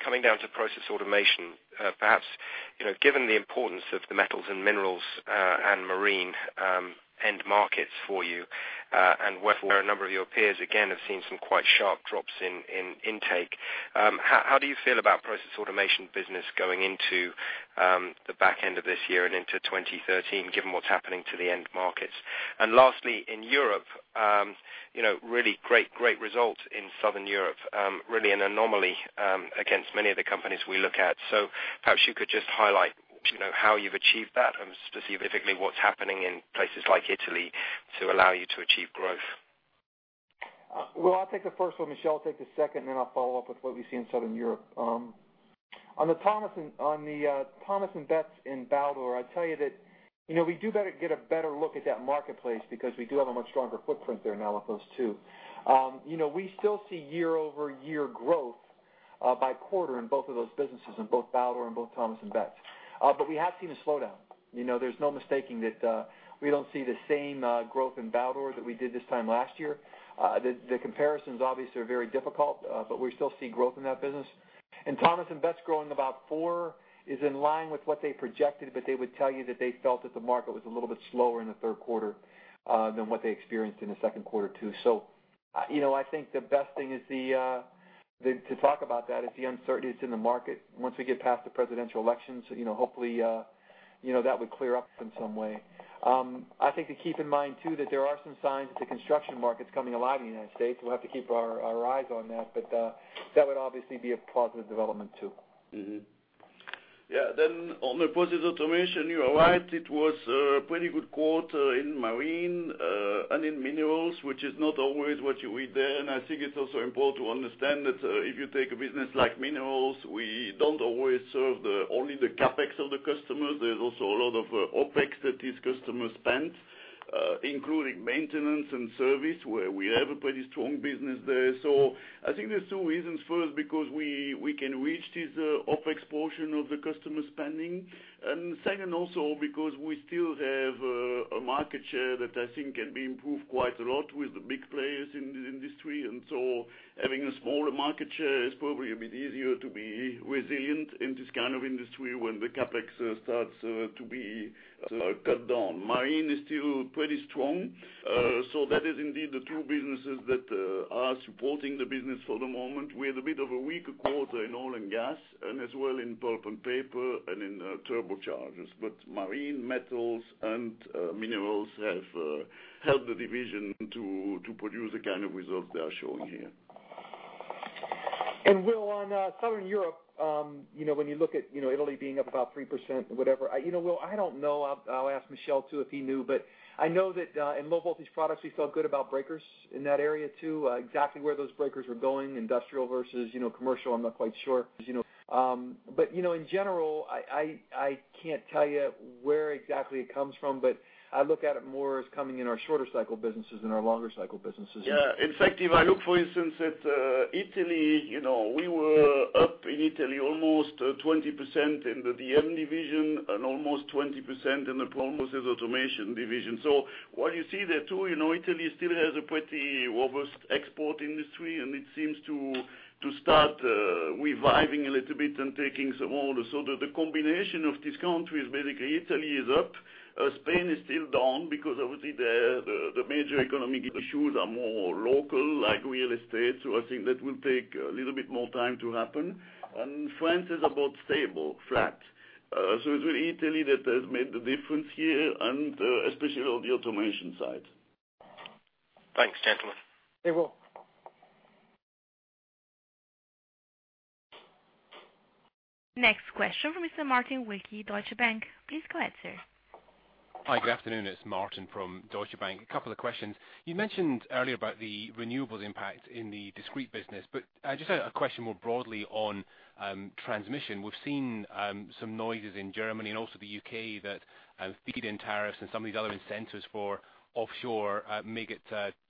Coming down to Process Automation, perhaps, given the importance of the metals and minerals and marine end markets for you, and where a number of your peers, again, have seen some quite sharp drops in intake, how do you feel about Process Automation business going into the back end of this year and into 2013, given what's happening to the end markets? Lastly, in Europe, really great results in Southern Europe, really an anomaly against many of the companies we look at. Perhaps you could just highlight how you've achieved that and specifically what's happening in places like Italy to allow you to achieve growth. Will, I'll take the first one, Michel will take the second, I'll follow up with what we see in Southern Europe. On the Thomas & Betts and Baldor, I'd tell you that we do get a better look at that marketplace because we do have a much stronger footprint there now with those two. We still see year-over-year growth by quarter in both of those businesses, in both Baldor and both Thomas & Betts. We have seen a slowdown. There's no mistaking that we don't see the same growth in Baldor that we did this time last year. The comparisons, obviously, are very difficult, but we still see growth in that business. Thomas & Betts growing about four is in line with what they projected, but they would tell you that they felt that the market was a little bit slower in the third quarter than what they experienced in the second quarter, too. I think the best thing to talk about that is the uncertainty that's in the market. Once we get past the presidential elections, hopefully, that would clear up in some way. I think to keep in mind, too, that there are some signs that the construction market is coming alive in the U.S. We'll have to keep our eyes on that. That would obviously be a positive development, too. Yeah. On the Process Automation, you are right, it was a pretty good quarter in marine and in minerals, which is not always what you read there. I think it's also important to understand that if you take a business like minerals, we don't always serve only the CapEx of the customers. There's also a lot of OpEx that these customers spend, including maintenance and service, where we have a pretty strong business there. I think there's two reasons. First, because we can reach this OpEx portion of the customer spending. Second, also because we still have a market share that I think can be improved quite a lot with the big players in this industry. Having a smaller market share is probably a bit easier to be resilient in this kind of industry when the CapEx starts to be cut down. Marine is still pretty strong. That is indeed the two businesses that are supporting the business for the moment. We had a bit of a weaker quarter in oil and gas and as well in pulp and paper and in turbochargers. Marine, metals, and minerals have helped the division to produce the kind of results they are showing here. Will, on Southern Europe, when you look at Italy being up about 3%, whatever. Will, I don't know. I'll ask Michel, too, if he knew. I know that in Low Voltage Products, we felt good about breakers in that area, too. Exactly where those breakers were going, industrial versus commercial, I'm not quite sure. In general, I can't tell you where exactly it comes from, but I look at it more as coming in our shorter cycle businesses than our longer cycle businesses. Yeah. In fact, if I look, for instance, at Italy, we were up in Italy almost 20% in the DM division and almost 20% in the Process Automation division. What you see there, too, Italy still has a pretty robust export industry, and it seems to start reviving a little bit and taking some orders. The combination of these countries, basically Italy is up, Spain is still down because obviously the major economic issues are more local, like real estate. I think that will take a little bit more time to happen. France is about stable, flat. It's really Italy that has made the difference here, and especially on the automation side. Thanks, gentlemen. Hey, Will. Next question from Mr. Martin Wilkie, Deutsche Bank. Please go ahead, sir. Hi, good afternoon. It's Martin from Deutsche Bank. A couple of questions. You mentioned earlier about the renewables impact in the discrete business, just a question more broadly on transmission. We've seen some noises in Germany and also the U.K. that feed-in tariffs and some of these other incentives for offshore may get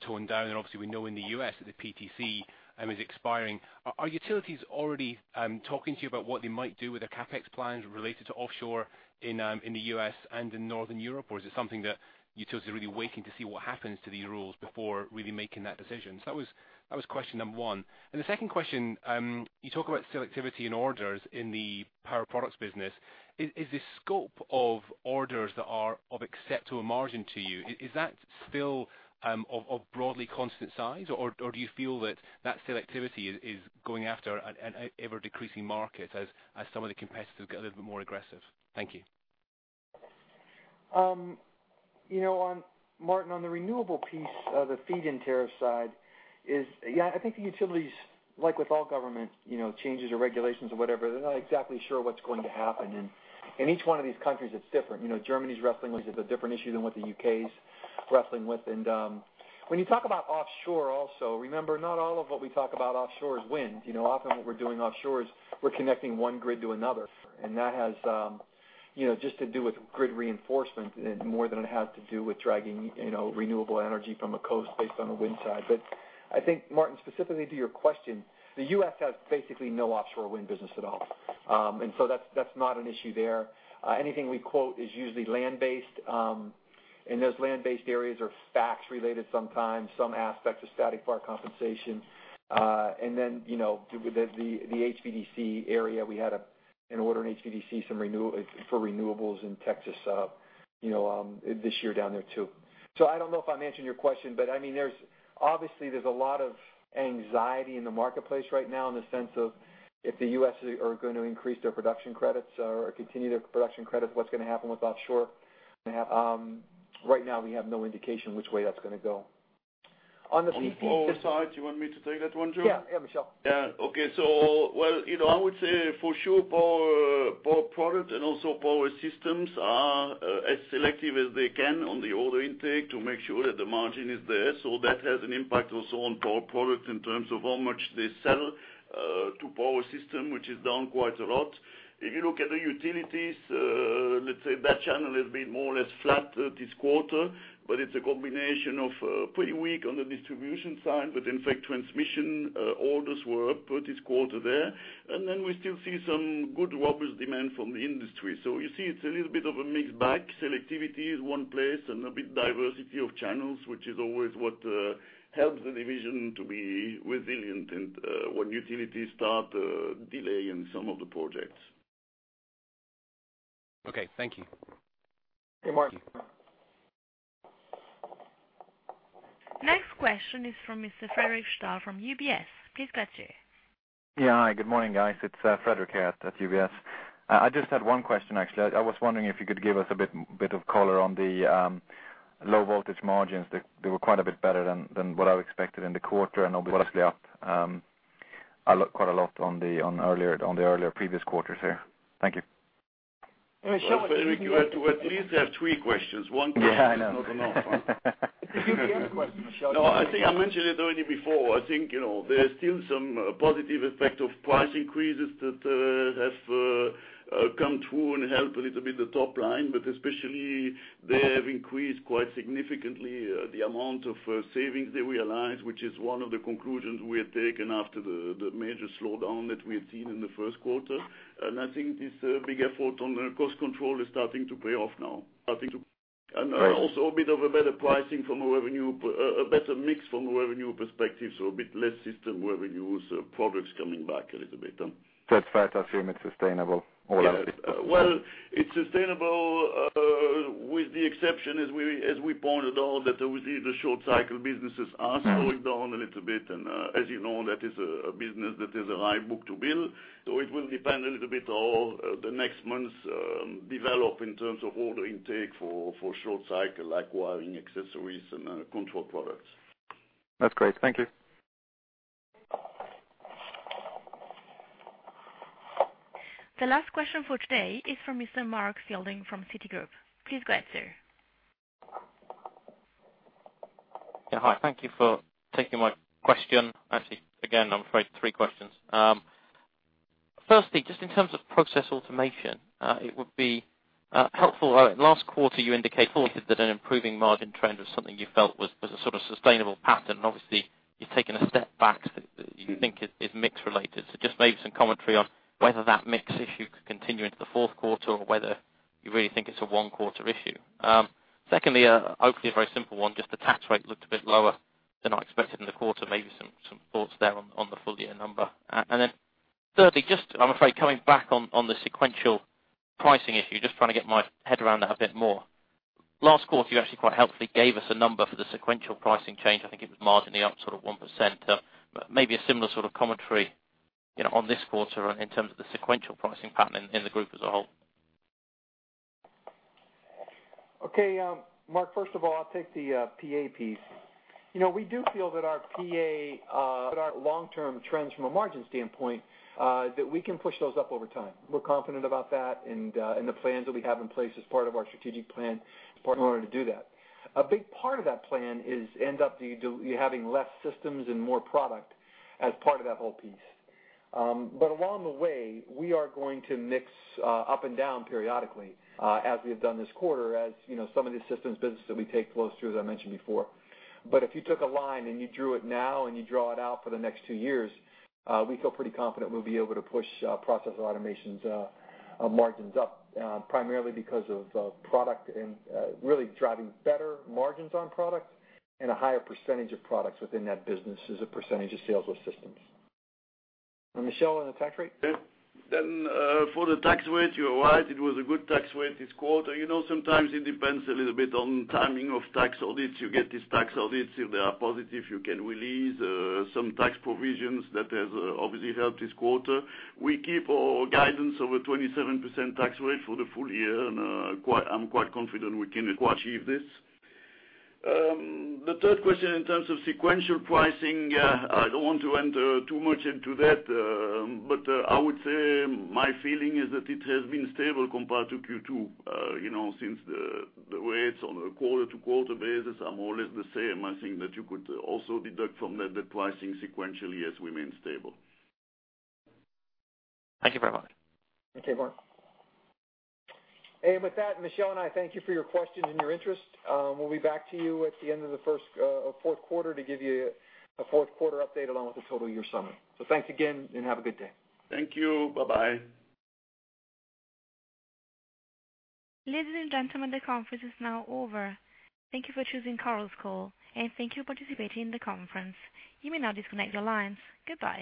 toned down. Obviously, we know in the U.S. that the PTC is expiring. Are utilities already talking to you about what they might do with their CapEx plans related to offshore in the U.S. and in Northern Europe? Is it something that utilities are really waiting to see what happens to these rules before really making that decision? That was question number one. The second question, you talk about selectivity in orders in the Power Products business. Is the scope of orders that are of acceptable margin to you, is that still of broadly constant size, or do you feel that selectivity is going after an ever-decreasing market as some of the competitors get a little bit more aggressive? Thank you. Martin, on the renewable piece, the feed-in tariff side is, yeah, I think the utilities, like with all government changes or regulations or whatever, they're not exactly sure what's going to happen. In each one of these countries, it's different. Germany's wrestling with a different issue than what the U.K. is wrestling with. When you talk about offshore also, remember, not all of what we talk about offshore is wind. Often what we're doing offshore is we're connecting one grid to another. That has just to do with grid reinforcement more than it has to do with dragging renewable energy from a coast based on the wind side. I think, Martin, specifically to your question, the U.S. has basically no offshore wind business at all. So that's not an issue there. Anything we quote is usually land-based, those land-based areas are FACTS related sometimes, some aspects of static VAR compensation. The HVDC area, we had an order in HVDC for renewables in Texas this year down there too. I don't know if I'm answering your question, obviously there's a lot of anxiety in the marketplace right now in the sense of if the U.S. are going to increase their production credits or continue their production credits, what's going to happen with offshore? Right now, we have no indication which way that's going to go. On the Power side, do you want me to take that one, Joe? Yeah, Michel. Yeah. Okay. I would say for sure, Power Products and also Power Systems are as selective as they can on the order intake to make sure that the margin is there. That has an impact also on Power Products in terms of how much they sell to Power Systems, which is down quite a lot. If you look at the utilities, let's say that channel has been more or less flat this quarter, but it's a combination of pretty weak on the distribution side. In fact, transmission orders were up for this quarter there. We still see some good robust demand from the industry. You see it's a little bit of a mixed bag. Selectivity is one place and a bit diversity of channels, which is always what helps the division to be resilient and when utilities start delaying some of the projects. Okay, thank you. Hey, Martin. Thank you. Next question is from Mr. Fredric Stahl from UBS. Please go ahead, sir. Yeah. Hi, good morning, guys. It's Fredric here at UBS. I just had one question, actually. I was wondering if you could give us a bit of color on the Low Voltage margins. They were quite a bit better than what I expected in the quarter, and obviously up quite a lot on the earlier previous quarters here. Thank you. Hey, Michel, what do you think? Fredric, you have to at least have three questions. One question- Yeah, I know is not enough. It's a UBS question, Michel. No, I think I mentioned it already before. I think, there's still some positive effect of price increases that have come through and help a little bit the top line, but especially they have increased quite significantly, the amount of savings that we realized, which is one of the conclusions we had taken after the major slowdown that we had seen in the first quarter. I think this big effort on the cost control is starting to pay off now. Right. Also a bit of a better pricing from a revenue, a better mix from a revenue perspective, a bit less system revenue. Products coming back a little bit. It's fair to assume it's sustainable, all of it. Yes. Well, it's sustainable with the exception, as we pointed out, that obviously the short-cycle businesses are slowing down a little bit, and, as you know, that is a business that has a high book-to-bill. It will depend a little bit on how the next months develop in terms of order intake for short cycle, like wiring, accessories, and control products. That's great. Thank you. The last question for today is from Mr. Mark Fielding from Citigroup. Please go ahead, sir. Yeah. Hi. Thank you for taking my question. Actually, again, I'm afraid three questions. Firstly, just in terms of Process Automation, it would be helpful. Last quarter, you indicated that an improving margin trend was something you felt was a sort of sustainable pattern. Obviously you've taken a step back that you think is mix-related. Just maybe some commentary on whether that mix issue could continue into the fourth quarter, or whether you really think it's a one-quarter issue. Secondly, hopefully a very simple one, just the tax rate looked a bit lower than I expected in the quarter. Maybe some thoughts there on the full-year number. Thirdly, just, I'm afraid, coming back on the sequential pricing issue, just trying to get my head around that a bit more. Last quarter, you actually quite helpfully gave us a number for the sequential pricing change. I think it was marginally up sort of 1%. Maybe a similar sort of commentary on this quarter in terms of the sequential pricing pattern in the group as a whole. Okay. Mark, first of all, I'll take the PA piece. We do feel that our PA, that our long-term trends from a margin standpoint, that we can push those up over time. We're confident about that and the plans that we have in place as part of our strategic plan in order to do that. A big part of that plan is end up you having less systems and more product as part of that whole piece. Along the way, we are going to mix up and down periodically as we have done this quarter, as some of these systems businesses we take close to, as I mentioned before. If you took a line and you drew it now and you draw it out for the next two years, we feel pretty confident we'll be able to push Process Automation's margins up, primarily because of product and really driving better margins on products and a higher percentage of products within that business as a percentage of sales with systems. Michel, on the tax rate? For the tax rate, you are right, it was a good tax rate this quarter. Sometimes it depends a little bit on timing of tax audits. You get these tax audits. If they are positive, you can release some tax provisions. That has obviously helped this quarter. We keep our guidance of a 27% tax rate for the full year, and I'm quite confident we can achieve this. The third question in terms of sequential pricing, I don't want to enter too much into that. I would say my feeling is that it has been stable compared to Q2. Since the rates on a quarter-to-quarter basis are more or less the same, I think that you could also deduct from that the pricing sequentially has remained stable. Thank you very much. Okay, Mark. With that, Michel and I thank you for your questions and your interest. We'll be back to you at the end of the fourth quarter to give you a fourth-quarter update along with the total year summary. Thanks again, and have a good day. Thank you. Bye-bye. Ladies and gentlemen, the conference is now over. Thank you for choosing Chorus Call, thank you for participating in the conference. You may now disconnect your lines. Goodbye.